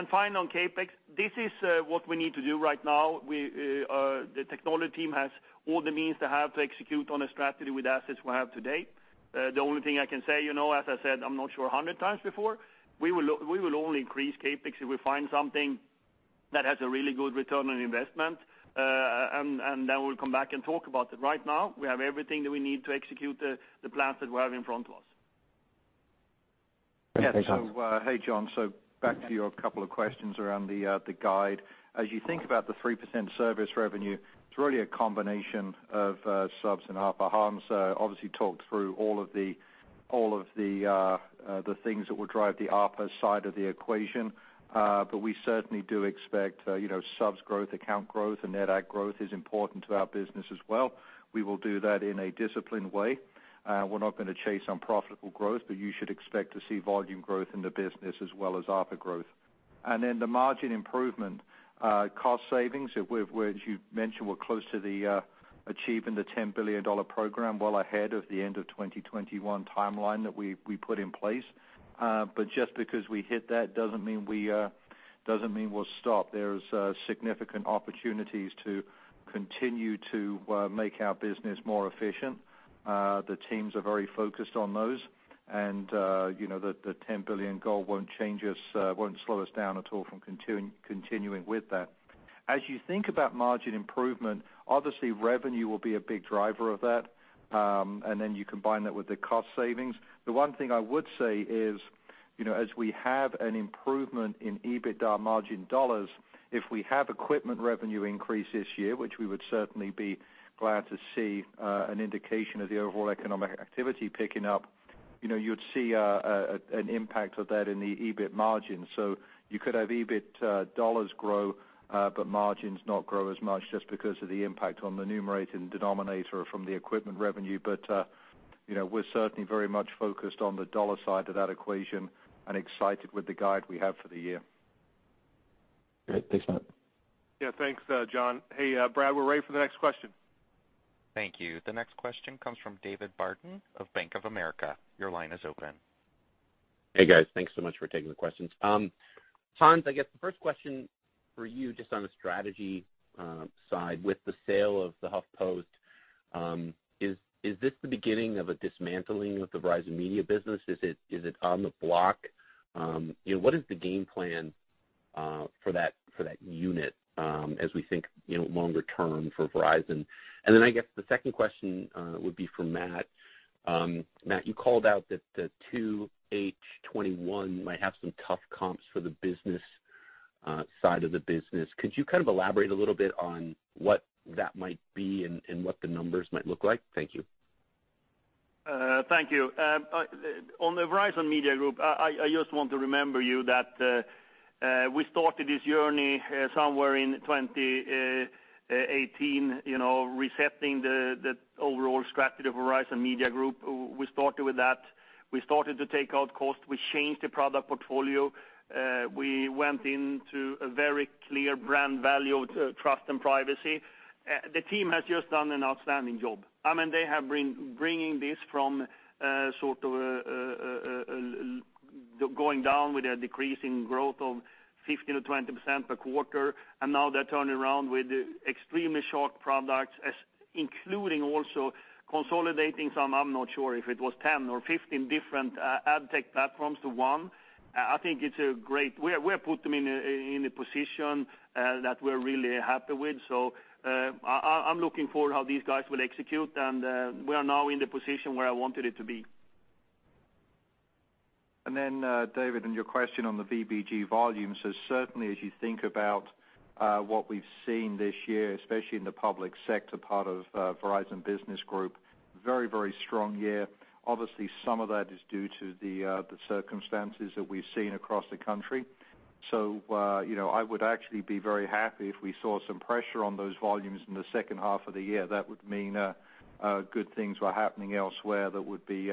Finally, on CapEx, this is what we need to do right now. The technology team has all the means they have to execute on a strategy with assets we have today. The only thing I can say, as I said, I'm not sure 100x before, we will only increase CapEx if we find something that has a really good return on investment, and then we'll come back and talk about it. Right now, we have everything that we need to execute the plans that we have in front of us. Yeah. Hey, John. Back to your couple of questions around the guide. As you think about the 3% service revenue, it's really a combination of subs and ARPA. Hans obviously talked through all of the things that will drive the ARPA side of the equation. We certainly do expect subs growth, account growth, and net add growth is important to our business as well. We will do that in a disciplined way. We're not going to chase unprofitable growth, but you should expect to see volume growth in the business as well as ARPA growth. The margin improvement. Cost savings, as you mentioned, we're close to achieving the $10 billion program well ahead of the end of 2021 timeline that we put in place. Just because we hit that doesn't mean we'll stop. There's significant opportunities to continue to make our business more efficient. The teams are very focused on those, and the $10 billion goal won't slow us down at all from continuing with that. As you think about margin improvement, obviously revenue will be a big driver of that, and then you combine that with the cost savings. The one thing I would say is, as we have an improvement in EBITDA margin dollars, if we have equipment revenue increase this year, which we would certainly be glad to see an indication of the overall economic activity picking up, you'd see an impact of that in the EBIT margin. You could have EBIT dollars grow, but margins not grow as much just because of the impact on the numerator and denominator from the equipment revenue. We're certainly very much focused on the dollar side of that equation and excited with the guide we have for the year. Great. Thanks, Matt. Yeah, thanks, John. Hey, Brad, we're ready for the next question. Thank you. The next question comes from David Barden of Bank of America, your line is open. Hey, guys? Thanks so much for taking the questions. Hans, I guess the first question for you, just on the strategy side with the sale of the HuffPost, is this the beginning of a dismantling of the Verizon Media business? Is it on the block? What is the game plan for that unit as we think longer term for Verizon? I guess the second question would be for Matt. Matt, you called out that the 2H 2021 might have some tough comps for the business side of the business. Could you kind of elaborate a little bit on what that might be and what the numbers might look like? Thank you. Thank you. On the Verizon Media Group, I just want to remember you that we started this journey somewhere in 2018, resetting the overall strategy of Verizon Media Group. We started to take out cost. We changed the product portfolio. We went into a very clear brand value of trust and privacy. The team has just done an outstanding job. They have bringing this from going down with a decreasing growth of 15%-20% per quarter. Now they're turning around with extremely short products, including also consolidating some, I'm not sure if it was 10 or 15 different ad tech platforms to one. I think it's great. We have put them in a position that we're really happy with. I'm looking forward how these guys will execute, and we are now in the position where I wanted it to be. David, your question on the VBG volumes, certainly, as you think about what we've seen this year, especially in the public sector part of Verizon Business Group, very strong year. Some of that is due to the circumstances that we've seen across the country. I would actually be very happy if we saw some pressure on those volumes in the second half of the year. That would mean good things were happening elsewhere that would be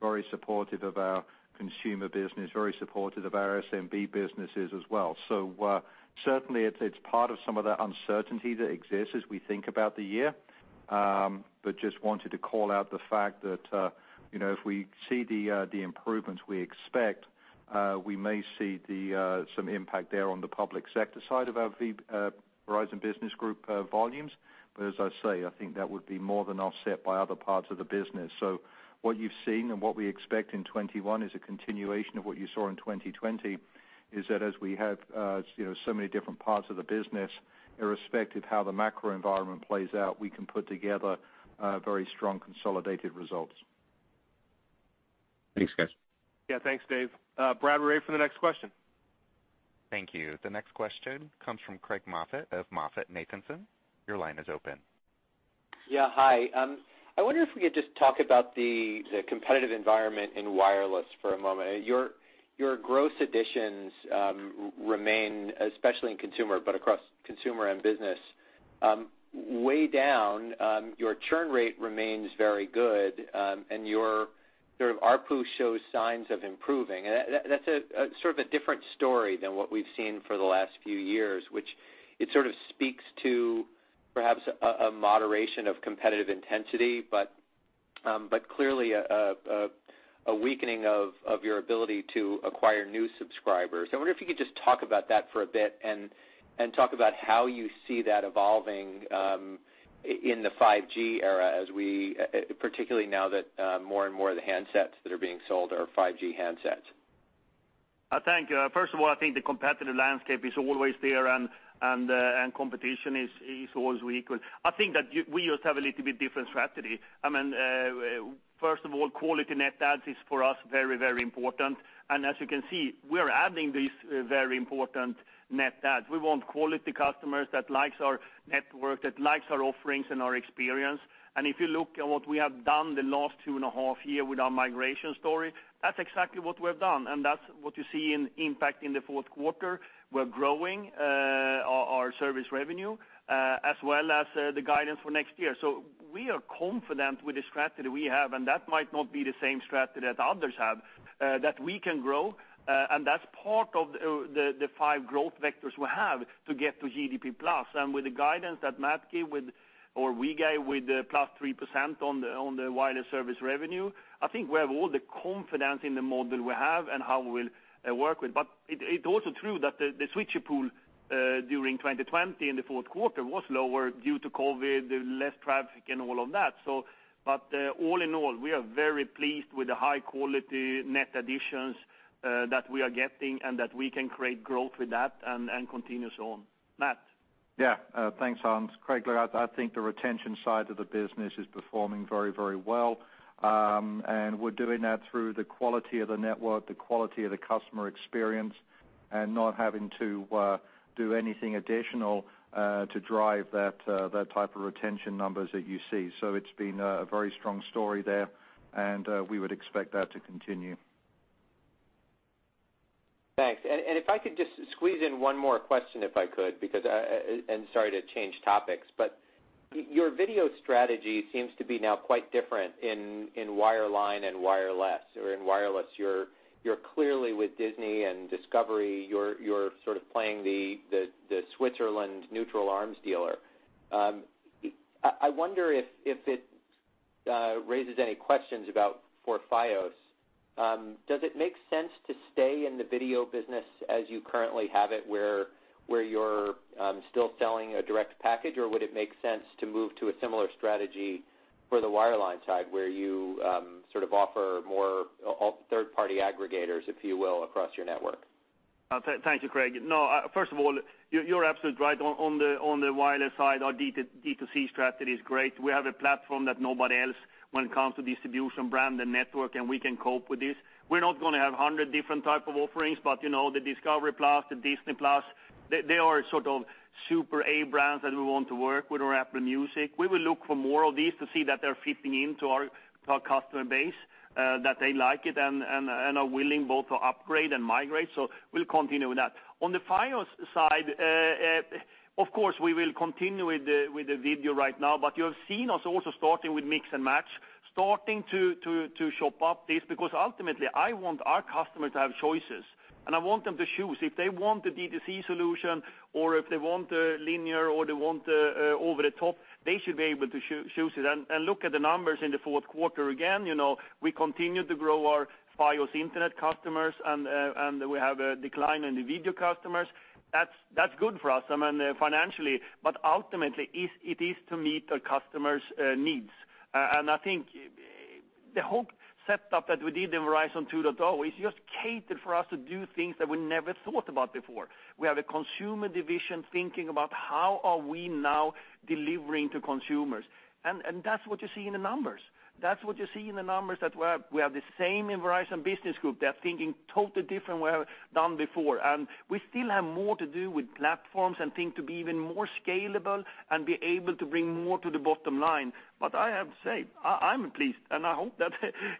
very supportive of our consumer business, very supportive of our SMB businesses as well. Certainly, it's part of some of the uncertainty that exists as we think about the year. Just wanted to call out the fact that if we see the improvements we expect, we may see some impact there on the public sector side of our Verizon Business Group volumes. As I say, I think that would be more than offset by other parts of the business. What you've seen and what we expect in 2021 is a continuation of what you saw in 2020, is that as we have so many different parts of the business, irrespective how the macro environment plays out, we can put together very strong consolidated results. Thanks, guys. Yeah. Thanks, David. Brad, we're ready for the next question. Thank you. The next question comes from Craig Moffett of MoffettNathanson, your line is open. Yeah. Hi. I wonder if we could just talk about the competitive environment in wireless for a moment? Your gross additions remain, especially in consumer, but across consumer and business, way down. Your churn rate remains very good, and your ARPU shows signs of improving. That's a different story than what we've seen for the last few years, which it sort of speaks to perhaps a moderation of competitive intensity, but clearly a weakening of your ability to acquire new subscribers. I wonder if you could just talk about that for a bit and talk about how you see that evolving in the 5G era, particularly now that more and more of the handsets that are being sold are 5G handsets? Thank you. First of all, I think the competitive landscape is always there. Competition is always equal. I think that we just have a little bit different strategy. First of all, quality net adds is for us very important. As you can see, we're adding these very important net adds. We want quality customers that likes our network, that likes our offerings and our experience. If you look at what we have done the last two and a half year with our migration story, that's exactly what we've done, and that's what you see in impact in the fourth quarter. We're growing our service revenue, as well as the guidance for next year. We are confident with the strategy we have, and that might not be the same strategy that others have, that we can grow, and that's part of the five growth vectors we have to get to GDP+. With the guidance that Matt gave or we gave with the +3% on the wireless service revenue, I think we have all the confidence in the model we have and how we'll work with. It's also true that the switcher pool during 2020 in the fourth quarter was lower due to COVID, the less traffic and all of that. All in all, we are very pleased with the high-quality net additions that we are getting and that we can create growth with that and continue so on. Matt. Yeah. Thanks, Hans. Craig, look, I think the retention side of the business is performing very well. We're doing that through the quality of the network, the quality of the customer experience, and not having to do anything additional to drive that type of retention numbers that you see. It's been a very strong story there, and we would expect that to continue. Thanks. If I could just squeeze in one more question if I could, sorry to change topics, your video strategy seems to be now quite different in wireline and wireless. In wireless, you're clearly with Disney and Discovery, you're playing the Switzerland neutral arms dealer. I wonder if it raises any questions about, for Fios. Does it make sense to stay in the video business as you currently have it, where you're still selling a direct package, or would it make sense to move to a similar strategy for the wireline side where you offer more third-party aggregators, if you will, across your network? Thank you, Craig. First of all, you're absolutely right. On the wireless side, our D2C strategy is great. We have a platform that nobody else when it comes to distribution brand and network, and we can cope with this. We're not going to have 100 different type of offerings, but the Discovery+, the Disney+, they are super A brands that we want to work with, or Apple Music. We will look for more of these to see that they're fitting into our customer base, that they like it and are willing both to upgrade and migrate. We'll continue with that. On the Fios side, of course, we will continue with the video right now, but you have seen us also starting with Mix & Match. Starting to shop up this, because ultimately, I want our customers to have choices, and I want them to choose. If they want the D2C solution, or if they want the linear, or they want over the top, they should be able to choose it. Look at the numbers in the fourth quarter again. We continue to grow our Fios Internet customers, and we have a decline in the video customers. That's good for us, financially. Ultimately, it is to meet our customers' needs. I think the whole setup that we did in Verizon 2.0 is just catered for us to do things that we never thought about before. We have a consumer division thinking about how are we now delivering to consumers. That's what you see in the numbers. That's what you see in the numbers, that we have the same in Verizon Business Group. They're thinking totally different way than before. We still have more to do with platforms and things to be even more scalable and be able to bring more to the bottom line. I have to say, I'm pleased, and I hope that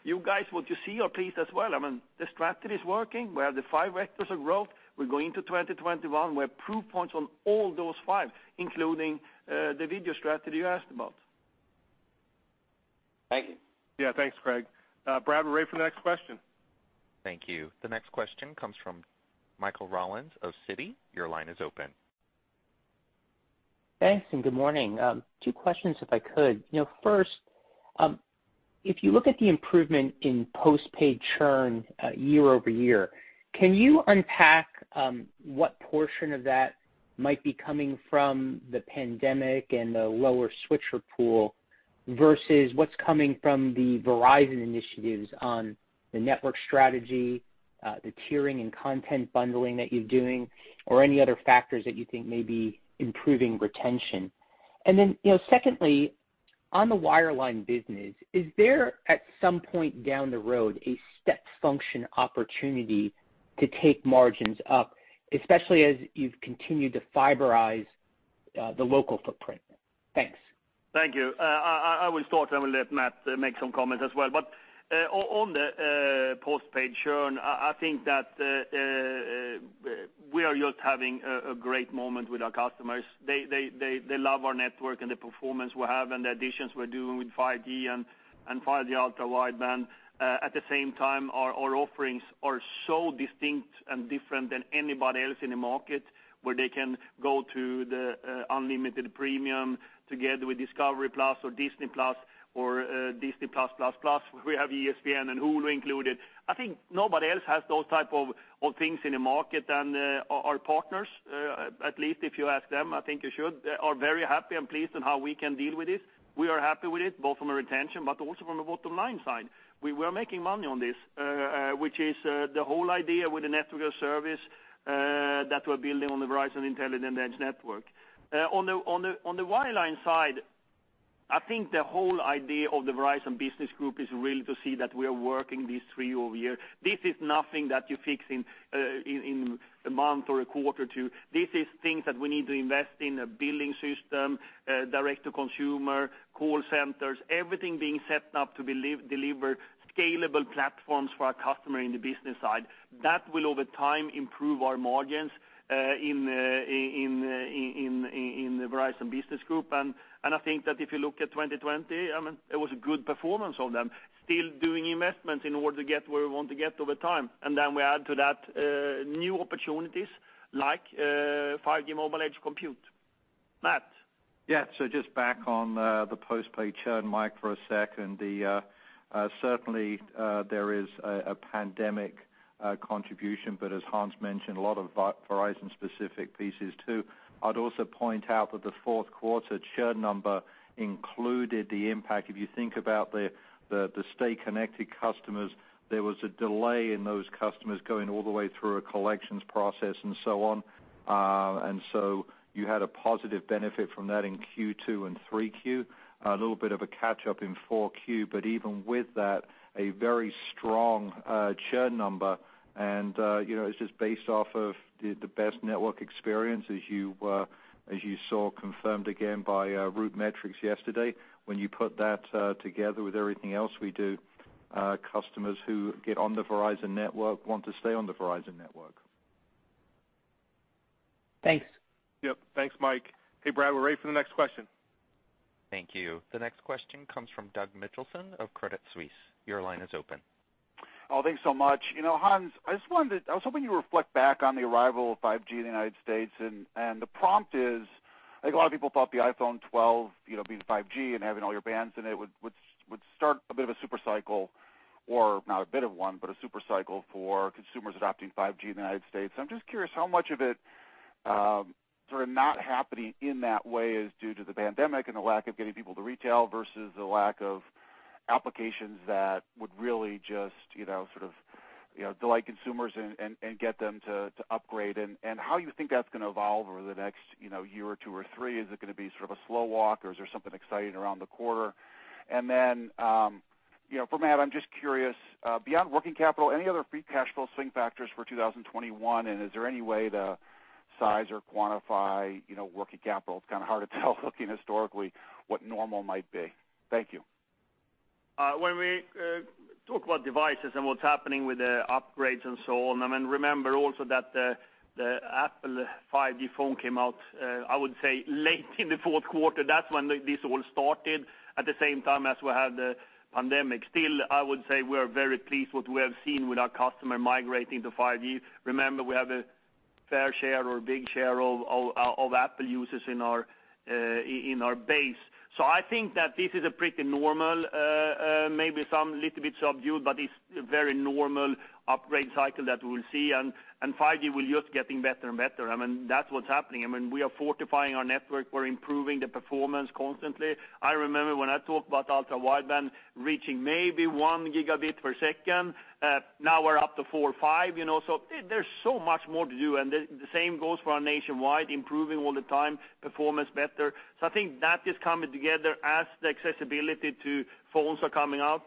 you guys, what you see, are pleased as well. The strategy is working. We have the five vectors of growth. We go into 2021, we have proof points on all those five, including the video strategy you asked about. Thank you. Yeah, thanks, Craig. Brad, we're ready for the next question. Thank you. The next question comes from Michael Rollins of Citi, your line is open. Thanks, good morning. Two questions, if I could. First, if you look at the improvement in postpaid churn year-over-year, can you unpack what portion of that might be coming from the pandemic and the lower switcher pool, versus what's coming from the Verizon initiatives on the network strategy, the tiering and content bundling that you're doing, or any other factors that you think may be improving retention? Secondly, on the wireline business, is there, at some point down the road, a step function opportunity to take margins up, especially as you've continued to fiberize the local footprint? Thanks. Thank you. I will start, and I will let Matt make some comments as well. On the postpaid churn, I think that we are just having a great moment with our customers. They love our network and the performance we have and the additions we're doing with 5G and 5G Ultra Wideband. At the same time, our offerings are so distinct and different than anybody else in the market, where they can go to the unlimited premium together with Discovery+ or Disney+ or Disney+++, where we have ESPN and Hulu included. I think nobody else has those type of things in the market, and our partners, at least if you ask them, I think you should, are very happy and pleased on how we can deal with this. We are happy with it, both from a retention, but also from a bottom-line side. We're making money on this, which is the whole idea with the network service that we're building on the Verizon Intelligent Edge Network. On the wireline side, I think the whole idea of the Verizon Business Group is really to see that we are working these three over year. This is nothing that you fix in a month or a quarter or two. This is things that we need to invest in, a billing system, direct to consumer, call centers, everything being set up to deliver scalable platforms for our customer in the business side. That will, over time, improve our margins in the Verizon Business Group. I think that if you look at 2020, it was a good performance of them. Still doing investments in order to get where we want to get over time. We add to that new opportunities like 5G Mobile Edge Compute. Matt? Just back on the postpaid churn, Mike, for a second. Certainly, there is a pandemic contribution, but as Hans mentioned, a lot of Verizon-specific pieces, too. I'd also point out that the fourth quarter churn number included the impact, if you think about the Stay Connected customers, there was a delay in those customers going all the way through a collections process and so on. You had a positive benefit from that in Q2 and 3Q. A little bit of a catch-up in 4Q, but even with that, a very strong churn number. It's just based off of the best network experience, as you saw confirmed again by RootMetrics yesterday. When you put that together with everything else we do, customers who get on the Verizon network want to stay on the Verizon network. Thanks. Yep. Thanks, Mike. Hey, Brad, we're ready for the next question. Thank you. The next question comes from Doug Mitchelson of Credit Suisse, your line is open. Oh, thanks so much. Hans, I was hoping you reflect back on the arrival of 5G in the United States. The prompt is, I think a lot of people thought the iPhone 12 being 5G and having all your bands in it would start a bit of a super cycle, or not a bit of one, but a super cycle for consumers adopting 5G in the United States. I'm just curious how much of it sort of not happening in that way is due to the pandemic and the lack of getting people to retail versus the lack of applications that would really just sort of delight consumers and get them to upgrade, and how you think that's going to evolve over the next year or two or three. Is it going to be sort of a slow walk, or is there something exciting around the corner? For Matt, I'm just curious, beyond working capital, any other free cash flow swing factors for 2021, and is there any way to size or quantify working capital? It's kind of hard to tell looking historically what normal might be. Thank you. Talk about devices and what's happening with the upgrades and so on. Remember also that the Apple 5G phone came out, I would say late in the fourth quarter. That's when this all started, at the same time as we had the pandemic. Still, I would say we are very pleased what we have seen with our customer migrating to 5G. Remember, we have a fair share or a big share of Apple users in our base. I think that this is pretty normal, maybe some little bit subdued, but it's a very normal upgrade cycle that we'll see, and 5G will just keep getting better and better. That's what's happening. We are fortifying our network. We're improving the performance constantly. I remember when I talked about Ultra Wideband reaching maybe 1 Gbps. Now we're up to 4 Gbps or 5 Gbps. There's so much more to do, and the same goes for our nationwide, improving all the time, performance better. I think that is coming together as the accessibility to phones are coming out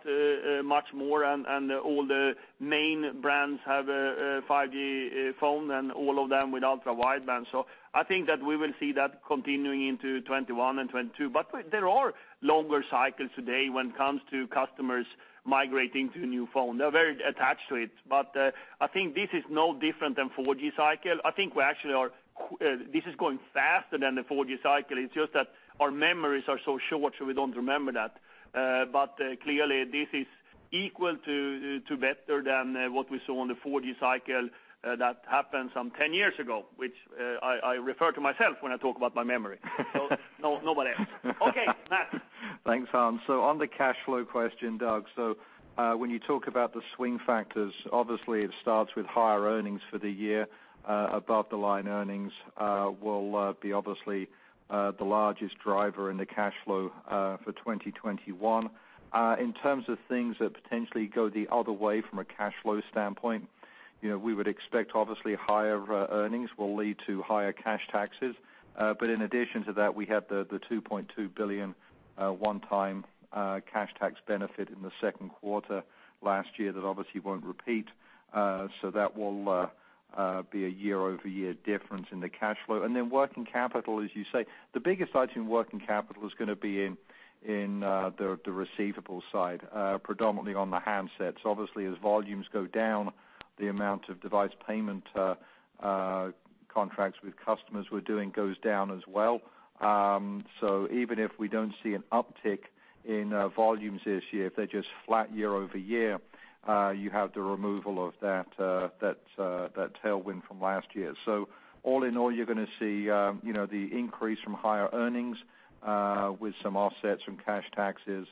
much more, and all the main brands have a 5G phone, and all of them with Ultra Wideband. I think that we will see that continuing into 2021 and 2022. There are longer cycles today when it comes to customers migrating to a new phone. They're very attached to it. I think this is no different than 4G cycle. I think this is going faster than the 4G cycle. It's just that our memories are so short, so we don't remember that. Clearly, this is equal to better than what we saw on the 4G cycle that happened some 10 years ago, which I refer to myself when I talk about my memory. Nobody else. Okay, Matt? Thanks, Hans. On the cash flow question, Doug, when you talk about the swing factors, obviously it starts with higher earnings for the year. Above-the-line earnings will be obviously the largest driver in the cash flow for 2021. In terms of things that potentially goes the other way in cash flows stand point, you know we would expect obviously a higher earning will lead to higher cash taxes. In addition to that, we had the $2.2 billion one-time cash tax benefit in the second quarter last year that obviously won't repeat. That will be a year-over-year difference in the cash flow. Working capital, as you say, the biggest item in working capital is going to be in the receivables side, predominantly on the handsets. Obviously, as volumes go down, the amount of device payment contracts with customers we're doing goes down as well. Even if we don't see an uptick in volumes this year, if they're just flat year-over-year, you have the removal of that tailwind from last year. All in all, you're going to see the increase from higher earnings, with some offsets from cash taxes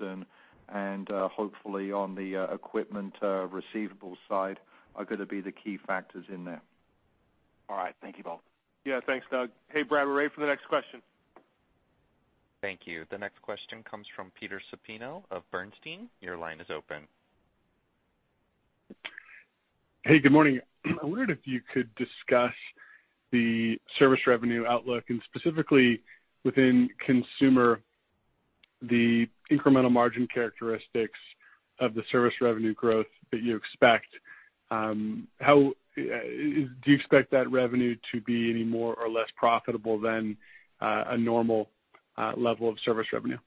and hopefully on the equipment receivables side are going to be the key factors in there. All right. Thank you both. Yeah, thanks, Doug. Hey, Brad, we're ready for the next question. Thank you. The next question comes from Peter Supino of Bernstein, your line is open. Hey, good morning? I wondered if you could discuss the service revenue outlook, and specifically within consumer, the incremental margin characteristics of the service revenue growth that you expect. Do you expect that revenue to be any more or less profitable than a normal level of service revenue?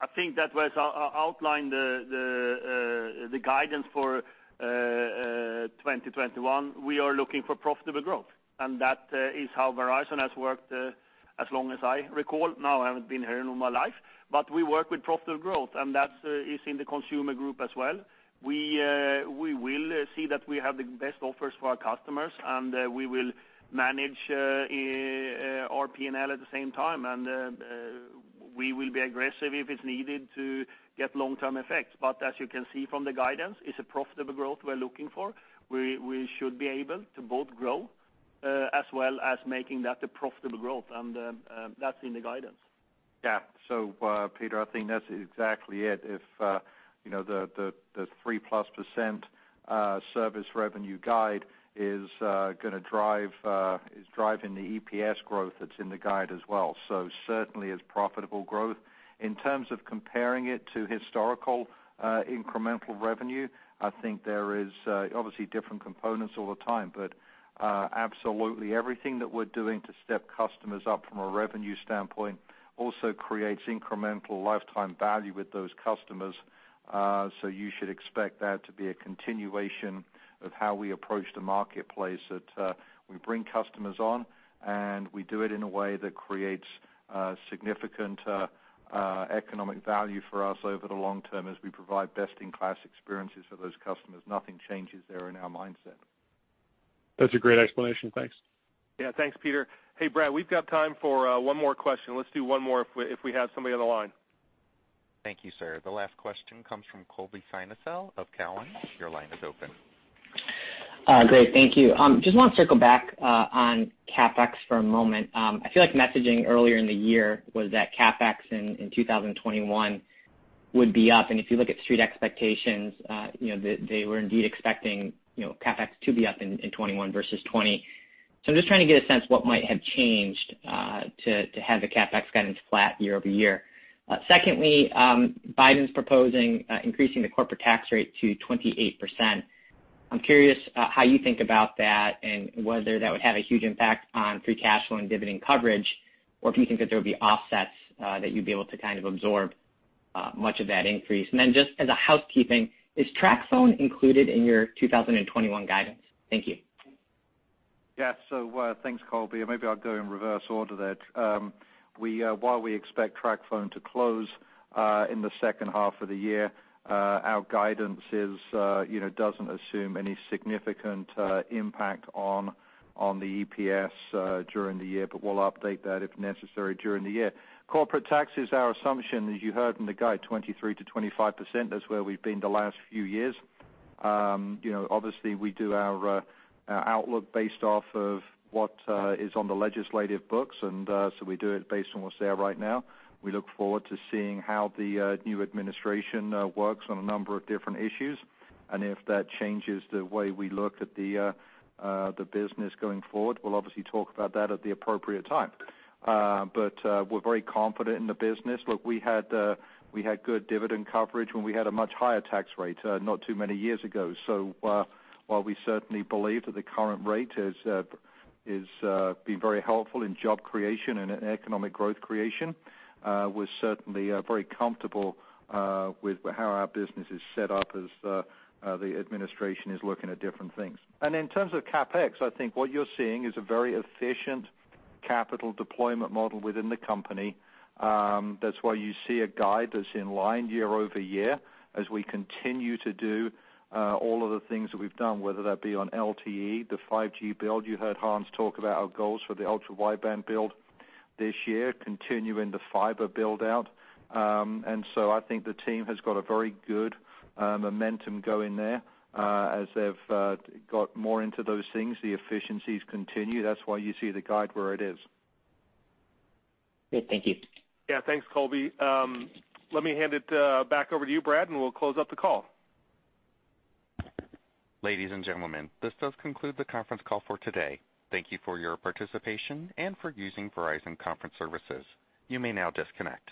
I think that was outlined the guidance for 2021. We are looking for profitable growth, and that is how Verizon has worked as long as I recall. I haven't been here all my life, but we work with profitable growth, and that is in the Verizon Consumer Group as well. We will see that we have the best offers for our customers, and we will manage our P&L at the same time. We will be aggressive if it's needed to get long-term effects. As you can see from the guidance, it's a profitable growth we're looking for. We should be able to both grow as well as making that a profitable growth, and that's in the guidance. Yeah. Peter, I think that's exactly it. If the 3+% service revenue guide is driving the EPS growth that's in the guide as well. Certainly it's profitable growth. In terms of comparing it to historical incremental revenue, I think there is obviously different components all the time, but absolutely everything that we're doing to step customers up from a revenue standpoint also creates incremental lifetime value with those customers. You should expect that to be a continuation of how we approach the marketplace, that we bring customers on, and we do it in a way that creates significant economic value for us over the long term as we provide best-in-class experiences for those customers. Nothing changes there in our mindset. That's a great explanation. Thanks. Yeah. Thanks, Peter. Hey, Brad, we've got time for one more question. Let's do one more if we have somebody on the line. Thank you, sir. The last question comes from Colby Synesael of Cowen, your line is open. Great. Thank you. Just want to circle back on CapEx for a moment. I feel like messaging earlier in the year was that CapEx in 2021 would be up. If you look at Street expectations, they were indeed expecting CapEx to be up in 2021 versus 2020. I'm just trying to get a sense what might have changed to have the CapEx guidance flat year-over-year. Secondly, Biden's proposing increasing the corporate tax rate to 28%. I'm curious how you think about that and whether that would have a huge impact on free cash flow and dividend coverage, or if you think that there would be offsets that you'd be able to absorb much of that increase. Just as a housekeeping, is TracFone included in your 2021 guidance? Thank you. Thanks, Colby. Maybe I'll go in reverse order there. While we expect TracFone to close in the second half of the year, our guidance doesn't assume any significant impact on the EPS during the year, but we'll update that if necessary during the year. Corporate tax is our assumption, as you heard in the guide, 23%-25%. That's where we've been the last few years. Obviously, we do our outlook based off of what is on the legislative books, we do it based on what's there right now. We look forward to seeing how the new administration works on a number of different issues, if that changes the way we looked at the business going forward, we'll obviously talk about that at the appropriate time. We're very confident in the business. Look, we had good dividend coverage when we had a much higher tax rate not too many years ago. While we certainly believe that the current rate is being very helpful in job creation and economic growth creation, we're certainly very comfortable with how our business is set up as the administration is looking at different things. In terms of CapEx, I think what you're seeing is a very efficient capital deployment model within the company. That's why you see a guide that's in line year-over-year as we continue to do all of the things that we've done, whether that be on LTE, the 5G build. You heard Hans talk about our goals for the Ultra Wideband build this year, continuing the fiber build-out. I think the team has got a very good momentum going there. As they've got more into those things, the efficiencies continue. That's why you see the guide where it is. Great. Thank you. Yeah. Thanks, Colby. Let me hand it back over to you, Brad, and we'll close out the call. Ladies and gentlemen, this does conclude the conference call for today. Thank you for your participation and for using Verizon Conference Services, you may now disconnect.